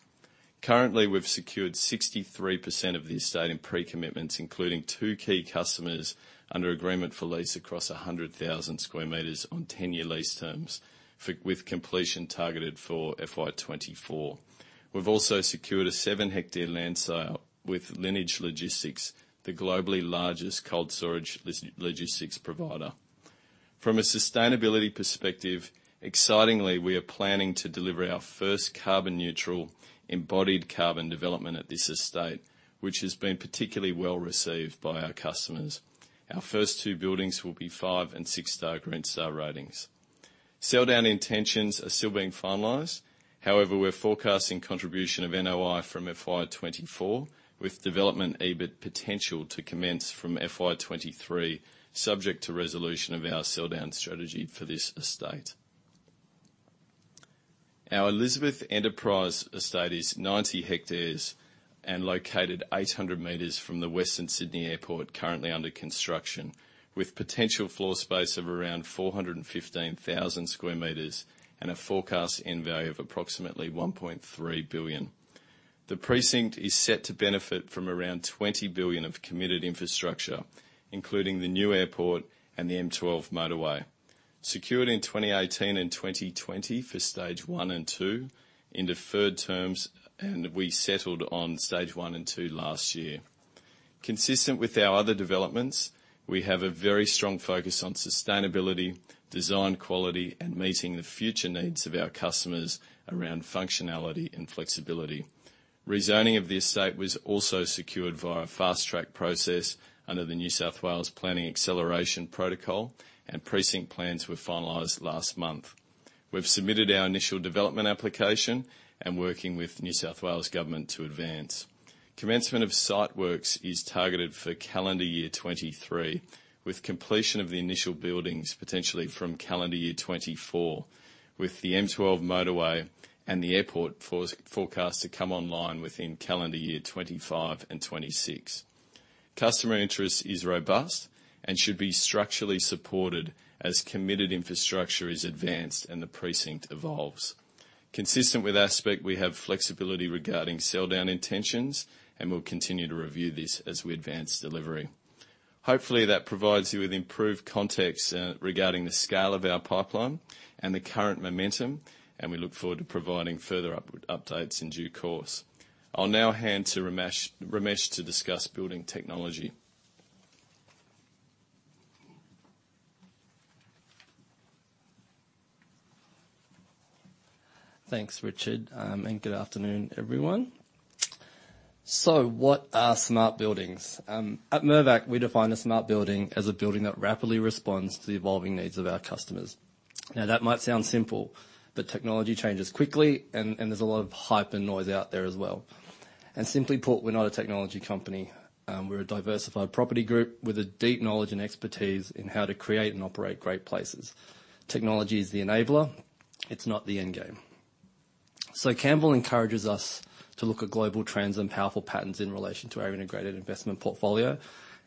Currently, we've secured 63% of the estate in pre-commitments, including two key customers under agreement for lease across 100,000 sq meters on 10-year lease terms with completion targeted for FY 2024. We've also secured a 7-hectare land sale with Lineage Logistics, the globally largest cold storage logistics provider. From a sustainability perspective, excitingly, we are planning to deliver our first carbon neutral embodied carbon development at this estate, which has been particularly well received by our customers. Our first two buildings will be 5- and 6-star Green Star ratings. Sell-down intentions are still being finalized, however, we're forecasting contribution of NOI from FY 2024, with development EBIT potential to commence from FY 2023, subject to resolution of our sell-down strategy for this estate. Our Elizabeth Enterprise estate is 90 hectares and located 800 meters from the Western Sydney Airport currently under construction, with potential floor space of around 415,000 sq meters and a forecast end value of approximately 1.3 billion. The precinct is set to benefit from around 20 billion of committed infrastructure, including the new airport and the M12 motorway. Secured in 2018 and 2020 for stage one and two in deferred terms, and we settled on stage one and two last year. Consistent with our other developments, we have a very strong focus on sustainability, design quality, and meeting the future needs of our customers around functionality and flexibility. Rezoning of the estate was also secured via a fast-track process under the New South Wales Planning System Acceleration Program, and precinct plans were finalized last month. We've submitted our initial development application and are working with New South Wales Government to advance. Commencement of site works is targeted for calendar year 2023, with completion of the initial buildings potentially from calendar year 2024, with the M12 motorway and the airport forecast to come online within calendar year 2025 and 2026. Customer interest is robust and should be structurally supported as committed infrastructure is advanced and the precinct evolves. Consistent with Aspect, we have flexibility regarding sell-down intentions, and we'll continue to review this as we advance delivery. Hopefully, that provides you with improved context, regarding the scale of our pipeline and the current momentum, and we look forward to providing further updates in due course. I'll now hand to Ramesh to discuss building technology. Thanks, Richard, and good afternoon, everyone. What are smart buildings? At Mirvac, we define a smart building as a building that rapidly responds to the evolving needs of our customers. Now, that might sound simple, but technology changes quickly and there's a lot of hype and noise out there as well. Simply put, we're not a technology company. We're a diversified property group with a deep knowledge and expertise in how to create and operate great places. Technology is the enabler. It's not the end game. Campbell encourages us to look at global trends and powerful patterns in relation to our integrated investment portfolio,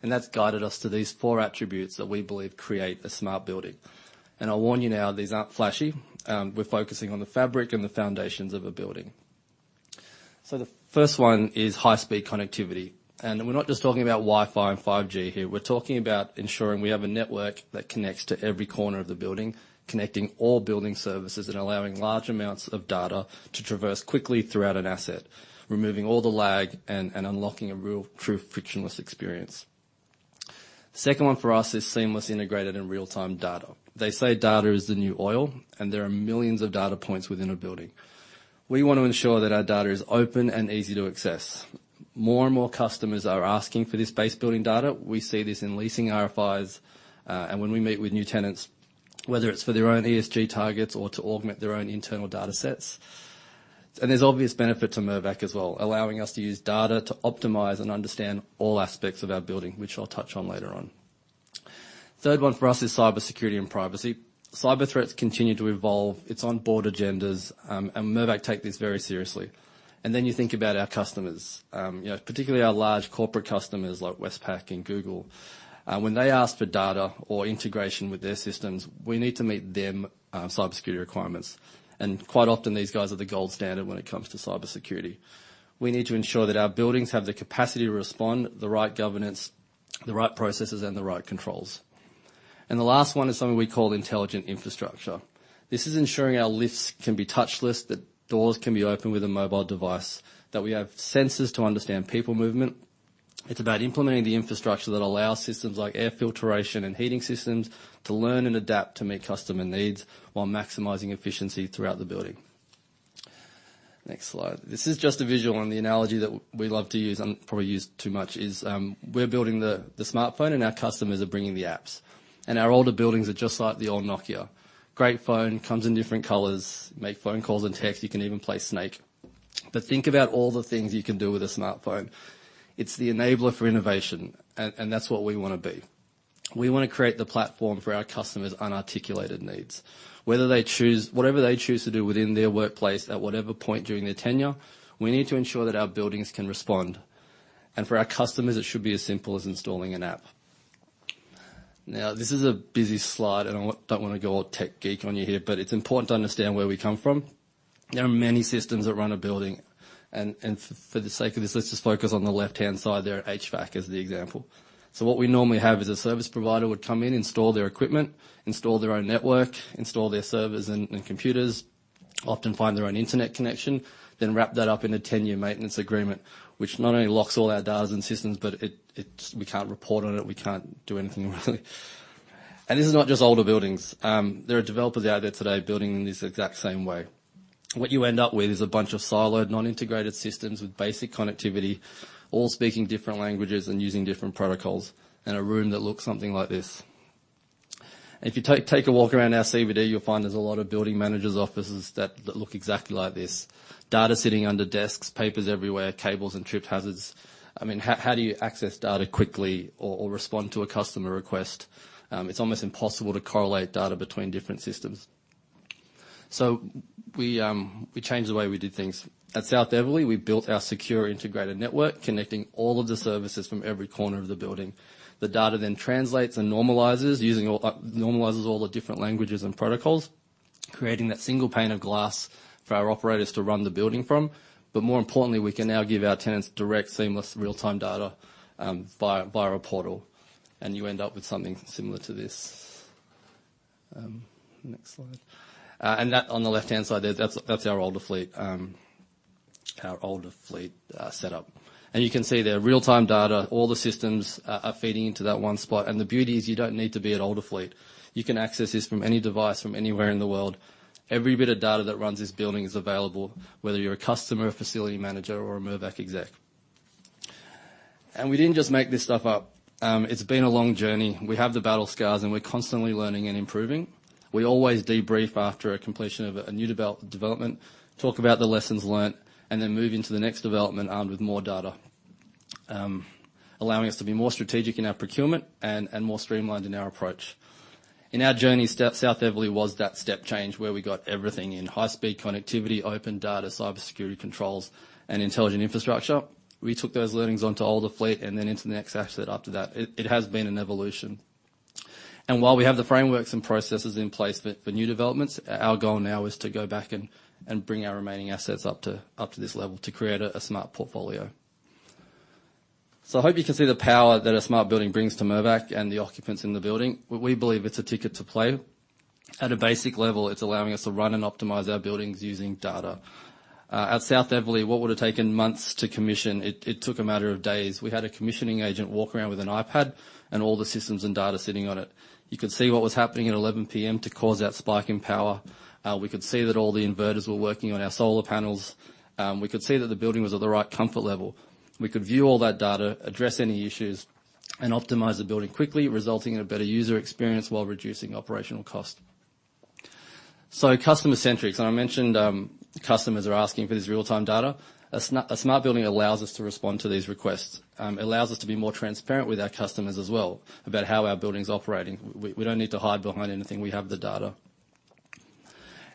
and that's guided us to these four attributes that we believe create a smart building. I'll warn you now, these aren't flashy. We're focusing on the fabric and the foundations of a building. The first one is high-speed connectivity. We're not just talking about Wi-Fi and 5G here. We're talking about ensuring we have a network that connects to every corner of the building, connecting all building services and allowing large amounts of data to traverse quickly throughout an asset, removing all the lag and unlocking a real true frictionless experience. Second one for us is seamless integrated and real-time data. They say data is the new oil, and there are millions of data points within a building. We wanna ensure that our data is open and easy to access. More and more customers are asking for this base building data. We see this in leasing RFIs and when we meet with new tenants, whether it's for their own ESG targets or to augment their own internal datasets. There's obvious benefit to Mirvac as well, allowing us to use data to optimize and understand all aspects of our building, which I'll touch on later on. Third one for us is cybersecurity and privacy. Cyber threats continue to evolve. It's on board agendas, and Mirvac take this very seriously. You think about our customers, you know, particularly our large corporate customers like Westpac and Google. When they ask for data or integration with their systems, we need to meet their cybersecurity requirements. Quite often, these guys are the gold standard when it comes to cybersecurity. We need to ensure that our buildings have the capacity to respond, the right governance, the right processes, and the right controls. The last one is something we call intelligent infrastructure. This is ensuring our lifts can be touchless, that doors can be opened with a mobile device, that we have sensors to understand people movement. It's about implementing the infrastructure that allow systems like air filtration and heating systems to learn and adapt to meet customer needs while maximizing efficiency throughout the building. Next slide. This is just a visual on the analogy that we love to use and probably use too much is, we're building the smartphone and our customers are bringing the apps. Our older buildings are just like the old Nokia. Great phone, comes in different colors, make phone calls and text, you can even play Snake. Think about all the things you can do with a smartphone. It's the enabler for innovation and that's what we wanna be. We wanna create the platform for our customers' unarticulated needs. Whatever they choose to do within their workplace, at whatever point during their tenure, we need to ensure that our buildings can respond. For our customers, it should be as simple as installing an app. Now, this is a busy slide, and I don't wanna go all tech geek on you here, but it's important to understand where we come from. There are many systems that run a building, and for the sake of this, let's just focus on the left-hand side there, HVAC as the example. What we normally have is a service provider would come in, install their equipment, install their own network, install their servers and computers, often find their own internet connection, then wrap that up in a 10-year maintenance agreement, which not only locks all our data and systems, but we can't report on it, we can't do anything really. This is not just older buildings. There are developers out there today building in this exact same way. What you end up with is a bunch of siloed, non-integrated systems with basic connectivity, all speaking different languages and using different protocols, and a room that looks something like this. If you take a walk around our CBD, you'll find there's a lot of building managers offices that look exactly like this. Data sitting under desks, papers everywhere, cables and trip hazards. I mean, how do you access data quickly or respond to a customer request? It's almost impossible to correlate data between different systems. We changed the way we did things. At South Eveleigh, we built our secure integrated network, connecting all of the services from every corner of the building. The data then translates and normalizes all the different languages and protocols, creating that single pane of glass for our operators to run the building from. More importantly, we can now give our tenants direct, seamless, real-time data via a portal, and you end up with something similar to this. Next slide. That on the left-hand side there, that's our Olderfleet setup. You can see there real-time data, all the systems are feeding into that one spot. The beauty is you don't need to be at Olderfleet. You can access this from any device from anywhere in the world. Every bit of data that runs this building is available, whether you're a customer, a facility manager, or a Mirvac exec. We didn't just make this stuff up. It's been a long journey. We have the battle scars, and we're constantly learning and improving. We always debrief after a completion of a new development, talk about the lessons learned, and then move into the next development armed with more data, allowing us to be more strategic in our procurement and more streamlined in our approach. In our journey, South Eveleigh was that step change where we got everything in high speed connectivity, open data, cybersecurity controls, and intelligent infrastructure. We took those learnings onto Olderfleet and then into the next asset after that. It has been an evolution. While we have the frameworks and processes in place for new developments, our goal now is to go back and bring our remaining assets up to this level to create a smart portfolio. I hope you can see the power that a smart building brings to Mirvac and the occupants in the building. We believe it's a ticket to play. At a basic level, it's allowing us to run and optimize our buildings using data. At South Eveleigh, what would have taken months to commission, it took a matter of days. We had a commissioning agent walk around with an iPad and all the systems and data sitting on it. You could see what was happening at 11 P.M. to cause that spike in power. We could see that all the inverters were working on our solar panels. We could see that the building was at the right comfort level. We could view all that data, address any issues, and optimize the building quickly, resulting in a better user experience while reducing operational cost. Customer-centric, so I mentioned, customers are asking for this real-time data. A smart building allows us to respond to these requests, allows us to be more transparent with our customers as well about how our building's operating. We don't need to hide behind anything. We have the data.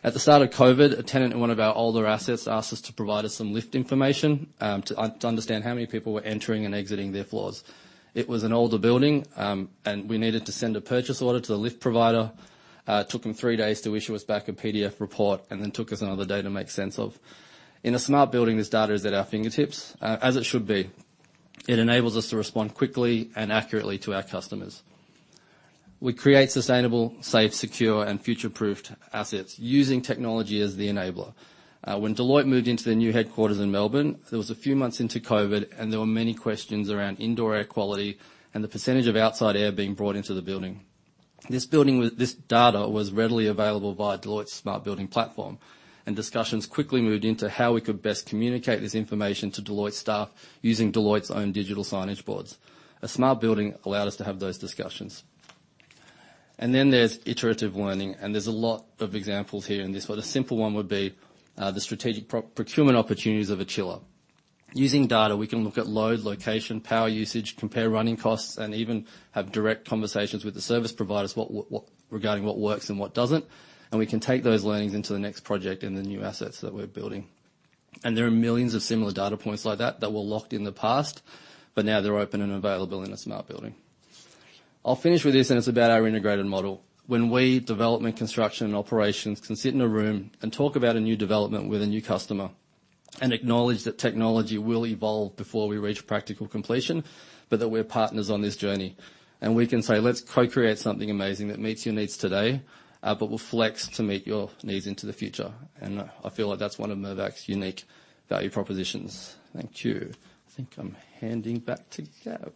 At the start of COVID, a tenant in one of our older assets asked us to provide us some lift information to understand how many people were entering and exiting their floors. It was an older building, and we needed to send a purchase order to the lift provider. It took them three days to issue us back a PDF report and then took us another day to make sense of. In a smart building, this data is at our fingertips, as it should be. It enables us to respond quickly and accurately to our customers. We create sustainable, safe, secure, and future-proofed assets using technology as the enabler. When Deloitte moved into their new headquarters in Melbourne, it was a few months into COVID, and there were many questions around indoor air quality and the percentage of outside air being brought into the building. This data was readily available via Deloitte's smart building platform, and discussions quickly moved into how we could best communicate this information to Deloitte staff using Deloitte's own digital signage boards. A smart building allowed us to have those discussions. There's iterative learning, and there's a lot of examples here in this one. A simple one would be, the strategic procurement opportunities of a chiller. Using data, we can look at load, location, power usage, compare running costs, and even have direct conversations with the service providers regarding what works and what doesn't, and we can take those learnings into the next project and the new assets that we're building. There are millions of similar data points like that that were locked in the past, but now they're open and available in a smart building. I'll finish with this, and it's about our integrated model. When we, development, construction, and operations, can sit in a room and talk about a new development with a new customer and acknowledge that technology will evolve before we reach practical completion, but that we're partners on this journey, and we can say, "Let's co-create something amazing that meets your needs today, but will flex to meet your needs into the future." I feel like that's one of Mirvac's unique value propositions. Thank you. I think I'm handing back to Gav.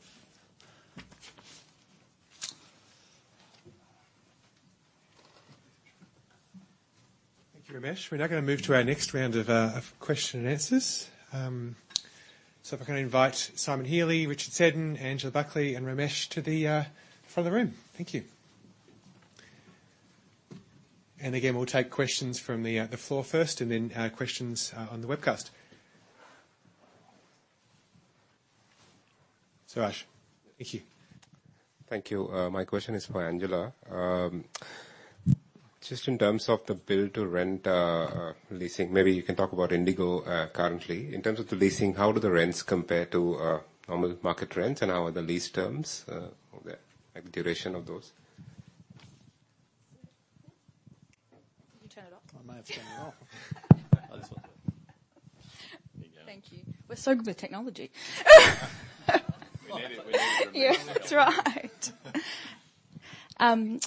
Thank you, Ramesh. We're now gonna move to our next round of of question and answers. If I can invite Simon Healy, Richard Seddon, Angela Buckley, and Ramesh to the front of the room. Thank you. Again, we'll take questions from the the floor first and then questions on the webcast. Suraj. Thank you. My question is for Angela. Just in terms of the build to rent leasing, maybe you can talk about Indigo currently. In terms of the leasing, how do the rents compare to normal market rents, and how are the lease terms or the, like, duration of those? Can you turn it off? I might have to turn it off. Thank you. We're so good with technology. We need it. Yeah, that's right. I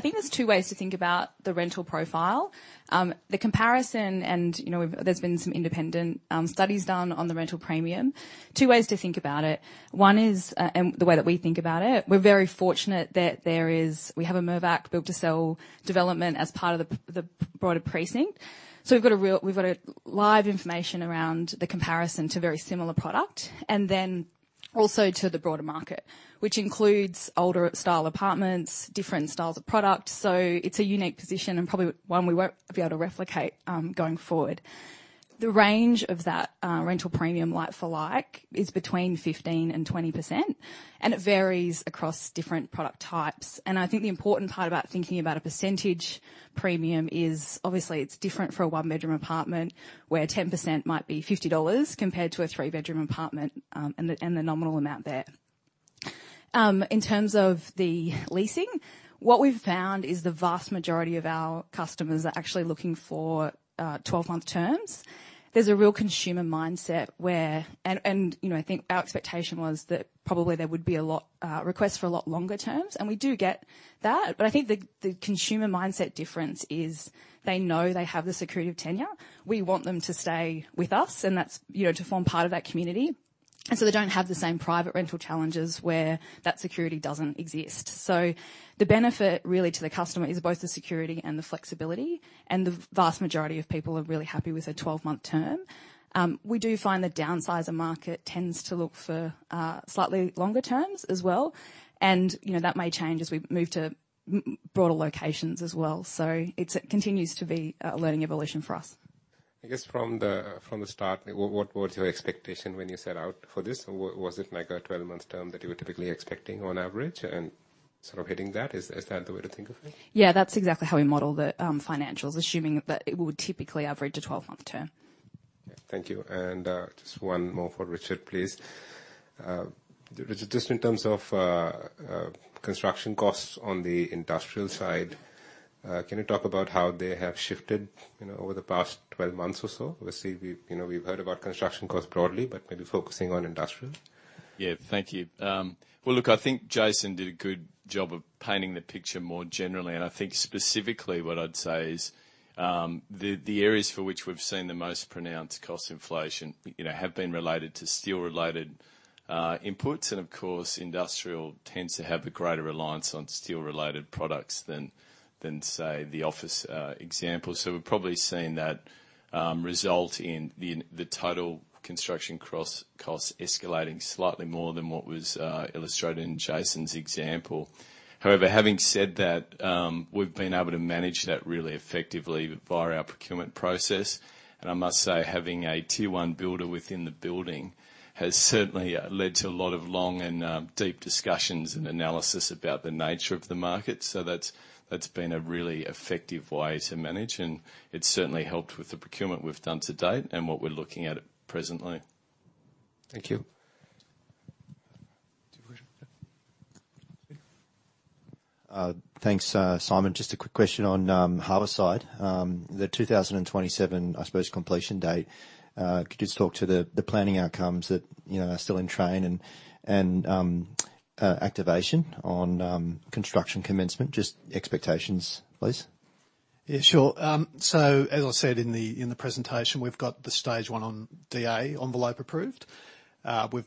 think there's two ways to think about the rental profile. The comparison and, you know, there's been some independent studies done on the rental premium. Two ways to think about it. One is, and the way that we think about it, we're very fortunate that we have a Mirvac build to sell development as part of the broader precinct. We've got live information around the comparison to very similar product, and then also to the broader market, which includes older style apartments, different styles of product. It's a unique position and probably one we won't be able to replicate going forward. The range of that rental premium, like for like, is between 15%-20%, and it varies across different product types. I think the important part about thinking about a percentage premium is obviously it's different for a one-bedroom apartment, where 10% might be 50 dollars compared to a three-bedroom apartment, and the nominal amount there. In terms of the leasing, what we've found is the vast majority of our customers are actually looking for 12-month terms. There's a real consumer mindset. You know, I think our expectation was that probably there would be a lot of requests for a lot longer terms, and we do get that. But I think the consumer mindset difference is they know they have the security of tenure. We want them to stay with us and that's, you know, to form part of that community. They don't have the same private rental challenges where that security doesn't exist. The benefit really to the customer is both the security and the flexibility, and the vast majority of people are really happy with a 12-month term. We do find the downsizer market tends to look for slightly longer terms as well. You know, that may change as we move to broader locations as well. It continues to be a learning evolution for us. I guess from the start, what was your expectation when you set out for this? Was it like a 12 months term that you were typically expecting on average and sort of hitting that? Is that the way to think of it? Yeah. That's exactly how we model the financials, assuming that it would typically average a 12-month term. Thank you. Just one more for Richard, please. Richard, just in terms of construction costs on the industrial side, can you talk about how they have shifted, you know, over the past 12 months or so? Obviously, we've, you know, heard about construction costs broadly, but maybe focusing on industrial. Yeah. Thank you. Well, look, I think Jason did a good job of painting the picture more generally, and I think specifically what I'd say is, the areas for which we've seen the most pronounced cost inflation, you know, have been related to steel related inputs. Of course, industrial tends to have a greater reliance on steel related products than say the office example. So we've probably seen that result in the total construction costs escalating slightly more than what was illustrated in Jason's example. However, having said that, we've been able to manage that really effectively via our procurement process. I must say, having a tier one builder within the building has certainly led to a lot of long and deep discussions and analysis about the nature of the market. That's been a really effective way to manage, and it's certainly helped with the procurement we've done to date and what we're looking at presently. Thank you. Do you wanna go? Yeah. Thanks, Simon. Just a quick question on Harbourside. The 2027, I suppose, completion date, could you just talk to the planning outcomes that, you know, are still in train and activation on construction commencement, just expectations, please. Yeah, sure. As I said in the presentation, we've got the stage one on DA envelope approved. We've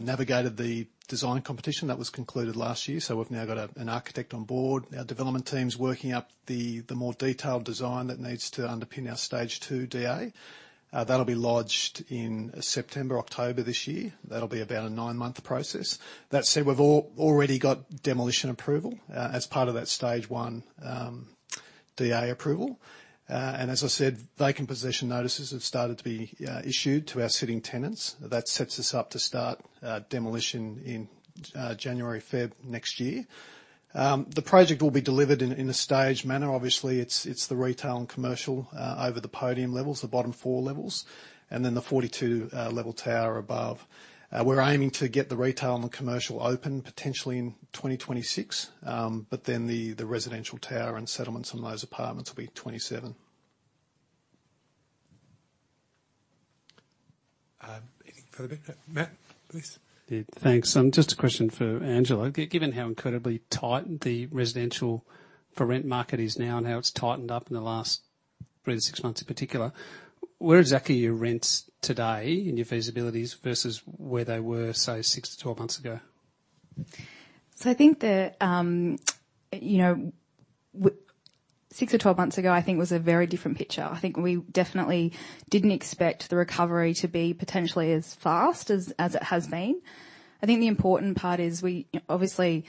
navigated the design competition that was concluded last year, so we've now got an architect on board. Our development team's working up the more detailed design that needs to underpin our stage two DA. That'll be lodged in September, October this year. That'll be about a nine month process. That said, we've already got demolition approval as part of that stage one DA approval. As I said, vacant possession notices have started to be issued to our sitting tenants. That sets us up to start demolition in January, February next year. The project will be delivered in a staged manner. Obviously, it's the retail and commercial over the podium levels, the bottom four levels, and then the 42 level tower above. We're aiming to get the retail and the commercial open potentially in 2026, but then the residential tower and settlements on those apartments will be 2027. Anything further, Matt, please? Yeah. Thanks. Just a question for Angela. Given how incredibly tight the residential for rent market is now and how it's tightened up in the last 3-6 months in particular, where exactly are your rents today in your feasibilities versus where they were, say, 6-12 months ago? I think that, you know, 6-12 months ago, I think was a very different picture. I think we definitely didn't expect the recovery to be potentially as fast as it has been. I think the important part is. Obviously,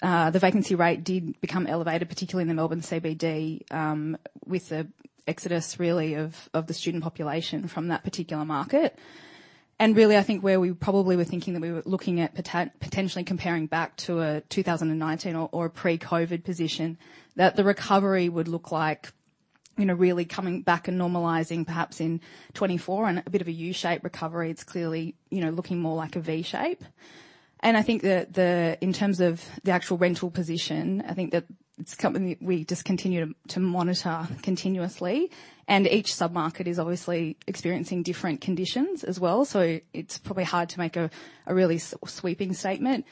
the vacancy rate did become elevated, particularly in the Melbourne CBD, with the exodus really of the student population from that particular market. Really, I think where we probably were thinking that we were looking at potentially comparing back to a 2019 or a pre-COVID position, that the recovery would look like, you know, really coming back and normalizing perhaps in 2024 and a bit of a U-shaped recovery. It's clearly, you know, looking more like a V shape. I think in terms of the actual rental position, I think that it's something we just continue to monitor continuously. Each sub-market is obviously experiencing different conditions as well, so it's probably hard to make a really sweeping statement.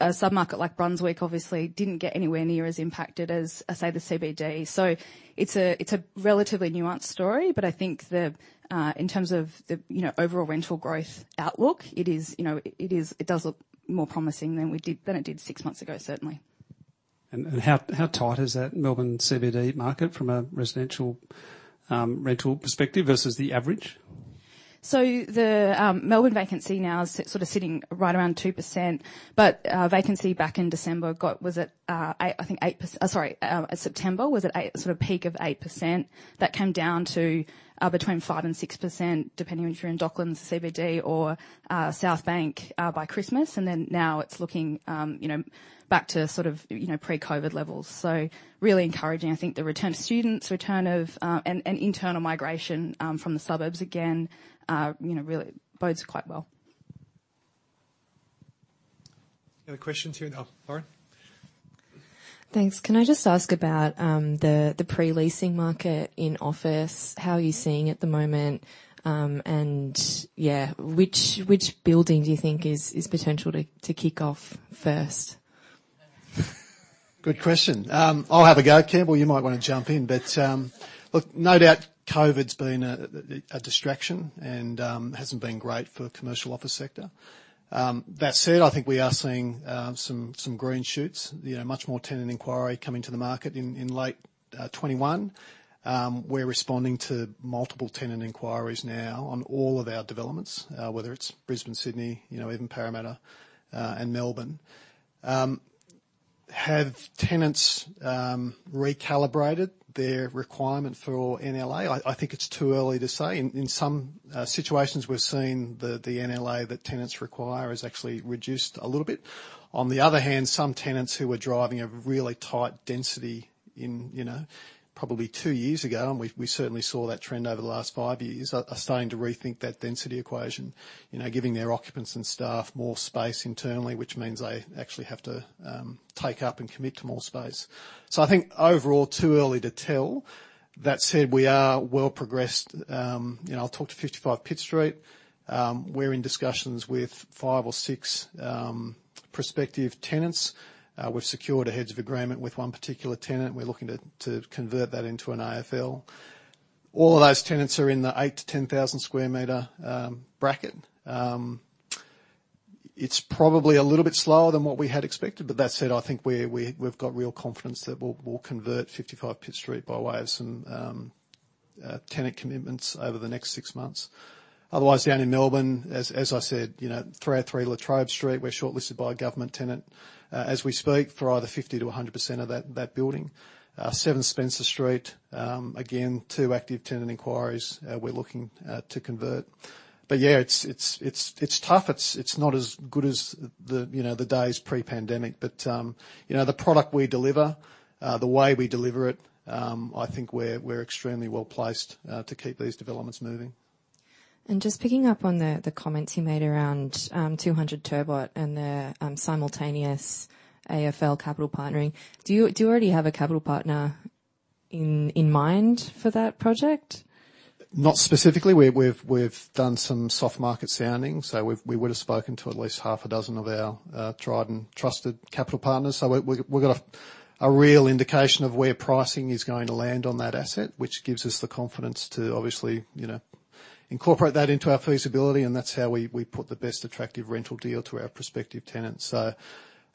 A sub-market like Brunswick obviously didn't get anywhere near as impacted as, say, the CBD. It's a relatively nuanced story, but I think in terms of the, you know, overall rental growth outlook, it is, you know, it does look more promising than it did six months ago, certainly. How tight is that Melbourne CBD market from a residential rental perspective versus the average? The Melbourne vacancy now is sort of sitting right around 2%, but vacancy back in December was at eight, I think 8%. Sorry, September, was at eight, sort of peak of 8%. That came down to between 5% and 6%, depending on if you're in Docklands, CBD or Southbank by Christmas. Then now it's looking, you know, back to sort of, you know, pre-COVID levels. Really encouraging. I think the return of students and internal migration from the suburbs again, you know, really bodes quite well. Any questions here? Oh, Lauren. Thanks. Can I just ask about the pre-leasing market in office? How are you seeing at the moment, and yeah, which building do you think is potential to kick off first? Good question. I'll have a go. Campbell, you might wanna jump in, but look, no doubt COVID's been a distraction and hasn't been great for the commercial office sector. That said, I think we are seeing some green shoots, you know, much more tenant inquiry coming to the market in late 2021. We're responding to multiple tenant inquiries now on all of our developments, whether it's Brisbane, Sydney, you know, even Parramatta, and Melbourne. Have tenants recalibrated their requirement for NLA? I think it's too early to say. In some situations, we're seeing the NLA that tenants require is actually reduced a little bit. On the other hand, some tenants who are driving a really tight density in, you know, probably two years ago, and we certainly saw that trend over the last five years, are starting to rethink that density equation. You know, giving their occupants and staff more space internally, which means they actually have to take up and commit to more space. I think overall, too early to tell. That said, we are well progressed. You know, I'll talk to 55 Pitt Street. We're in discussions with five or six prospective tenants. We've secured a head of agreement with one particular tenant. We're looking to convert that into an AFL. All of those tenants are in the 8-10,000 sq meter bracket. It's probably a little bit slower than what we had expected, but that said, I think we've got real confidence that we'll convert 55 Pitt Street by way of some tenant commitments over the next six months. Otherwise, down in Melbourne, as I said, you know, 383 La Trobe Street, we're shortlisted by a government tenant, as we speak, for either 50%-100% of that building. Seven Spencer Street, again, two active tenant inquiries, we're looking to convert. Yeah, it's tough. It's not as good as the days pre-pandemic. You know, the product we deliver, the way we deliver it, I think we're extremely well-placed to keep these developments moving. Just picking up on the comments you made around 200 Turbot and their simultaneous AFL capital partnering. Do you already have a capital partner in mind for that project? Not specifically. We've done some soft market sounding, so we would've spoken to at least half a dozen of our tried and trusted capital partners. We've got a real indication of where pricing is going to land on that asset, which gives us the confidence to obviously, you know, incorporate that into our feasibility, and that's how we put the best attractive rental deal to our prospective tenants.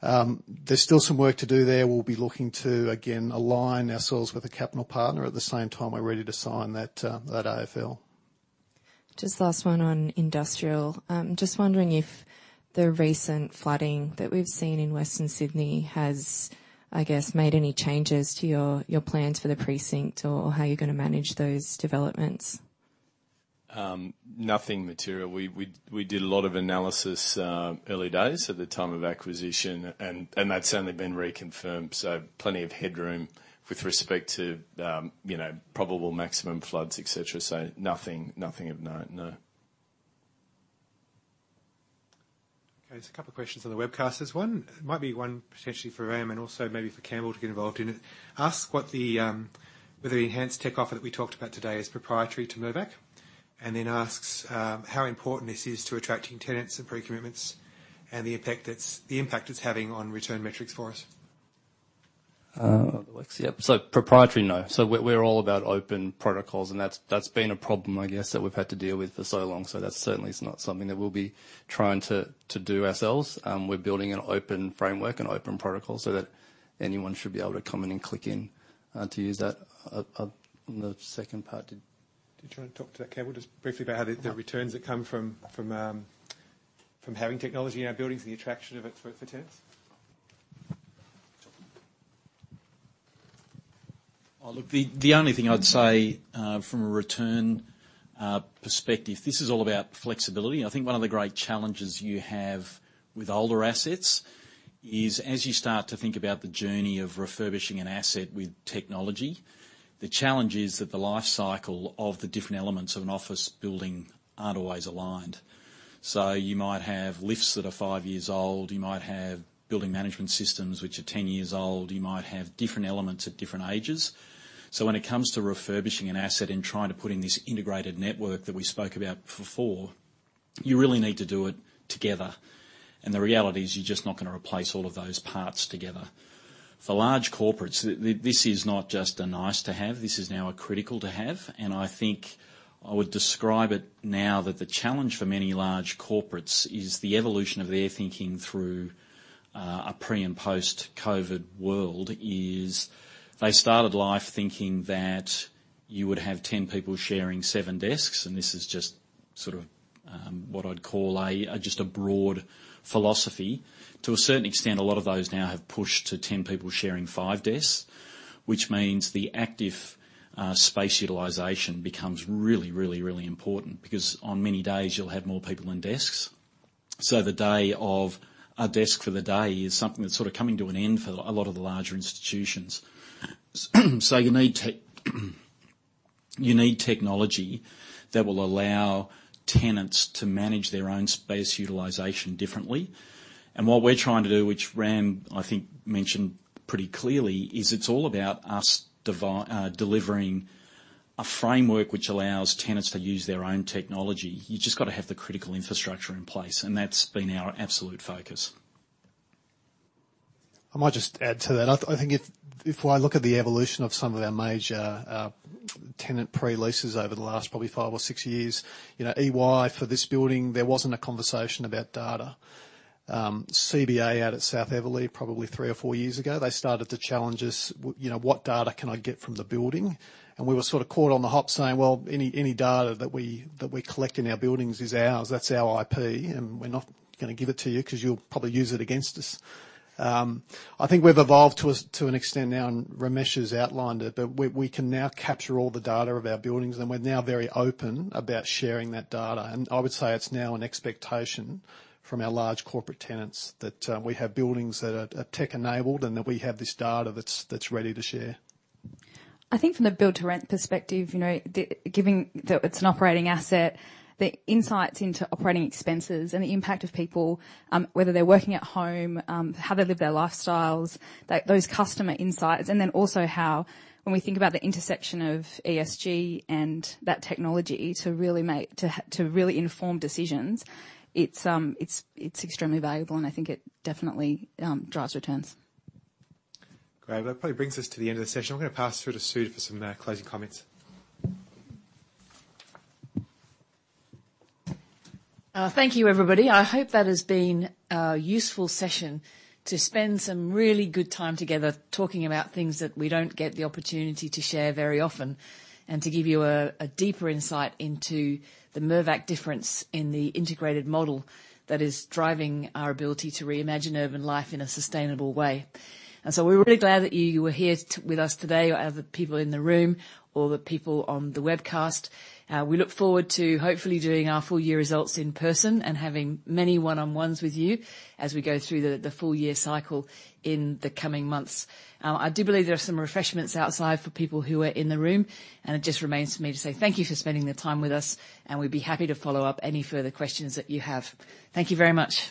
There's still some work to do there. We'll be looking to again align ourselves with a capital partner. At the same time, we're ready to sign that AFL. Just last one on industrial. Just wondering if the recent flooding that we've seen in Western Sydney has, I guess, made any changes to your plans for the precinct or how you're gonna manage those developments. Nothing material. We did a lot of analysis early days at the time of acquisition and that's only been reconfirmed, so plenty of headroom with respect to you know probable maximum floods, etc. Nothing of note, no. There's a couple of questions on the webcast. There's one, it might be one potentially for Ramesh and also maybe for Campbell to get involved in it. Asks whether the enhanced tech offer that we talked about today is proprietary to Mirvac, and then asks how important this is to attracting tenants and pre-commitments and the impact it's having on return metrics for us. Proprietary, no. We're all about open protocols, and that's been a problem, I guess, that we've had to deal with for so long. That certainly is not something that we'll be trying to do ourselves. We're building an open framework and open protocol so that anyone should be able to come in and click in to use that. On the second part, did- Do you wanna talk to that, Campbell? Just briefly about how the returns that come from having technology in our buildings and the attraction of it for tenants. The only thing I'd say from a return perspective, this is all about flexibility. I think one of the great challenges you have with older assets is as you start to think about the journey of refurbishing an asset with technology, the challenge is that the life cycle of the different elements of an office building aren't always aligned. You might have lifts that are five years old. You might have building management systems which are ten years old. You might have different elements at different ages. When it comes to refurbishing an asset and trying to put in this integrated network that we spoke about before, you really need to do it together. The reality is, you're just not gonna replace all of those parts together. For large corporates, this is not just a nice to have, this is now a critical to have. I think I would describe it now that the challenge for many large corporates is the evolution of their thinking through a pre and post-COVID world is they started life thinking that you would have 10 people sharing seven desks, and this is just sort of what I'd call just a broad philosophy. To a certain extent, a lot of those now have pushed to 10 people sharing five desks, which means the active space utilization becomes really important because on many days you'll have more people than desks. The day of a desk for the day is something that's sort of coming to an end for a lot of the larger institutions. You need technology that will allow tenants to manage their own space utilization differently. What we're trying to do, which Ram, I think, mentioned pretty clearly, is it's all about us delivering a framework which allows tenants to use their own technology. You just gotta have the critical infrastructure in place, and that's been our absolute focus. I might just add to that. I think if I look at the evolution of some of our major tenant pre-leases over the last probably five or six years, you know, EY for this building, there wasn't a conversation about data. CBA out at South Eveleigh probably three or four years ago, they started to challenge us, you know, what data can I get from the building? We were sort of caught on the hop saying, "Well, any data that we collect in our buildings is ours. That's our IP, and we're not gonna give it to you 'cause you'll probably use it against us." I think we've evolved to an extent now, and Ramesh has outlined it, but we can now capture all the data of our buildings, and we're now very open about sharing that data. I would say it's now an expectation from our large corporate tenants that we have buildings that are tech-enabled, and that we have this data that's ready to share. I think from the build-to-rent perspective, you know, given that it's an operating asset, the insights into operating expenses and the impact of people, whether they're working at home, how they live their lifestyles, those customer insights, and then also how when we think about the intersection of ESG and that technology to really inform decisions, it's extremely valuable, and I think it definitely drives returns. Great. Well, that probably brings us to the end of the session. I'm gonna pass through to Sue for some closing comments. Thank you, everybody. I hope that has been a useful session to spend some really good time together talking about things that we don't get the opportunity to share very often, and to give you a deeper insight into the Mirvac difference in the integrated model that is driving our ability to reimagine urban life in a sustainable way. We're really glad that you were here with us today, other people in the room or the people on the webcast. We look forward to hopefully doing our full year results in person and having many one-on-ones with you as we go through the full year cycle in the coming months. I do believe there are some refreshments outside for people who are in the room, and it just remains for me to say thank you for spending the time with us, and we'd be happy to follow up any further questions that you have. Thank you very much.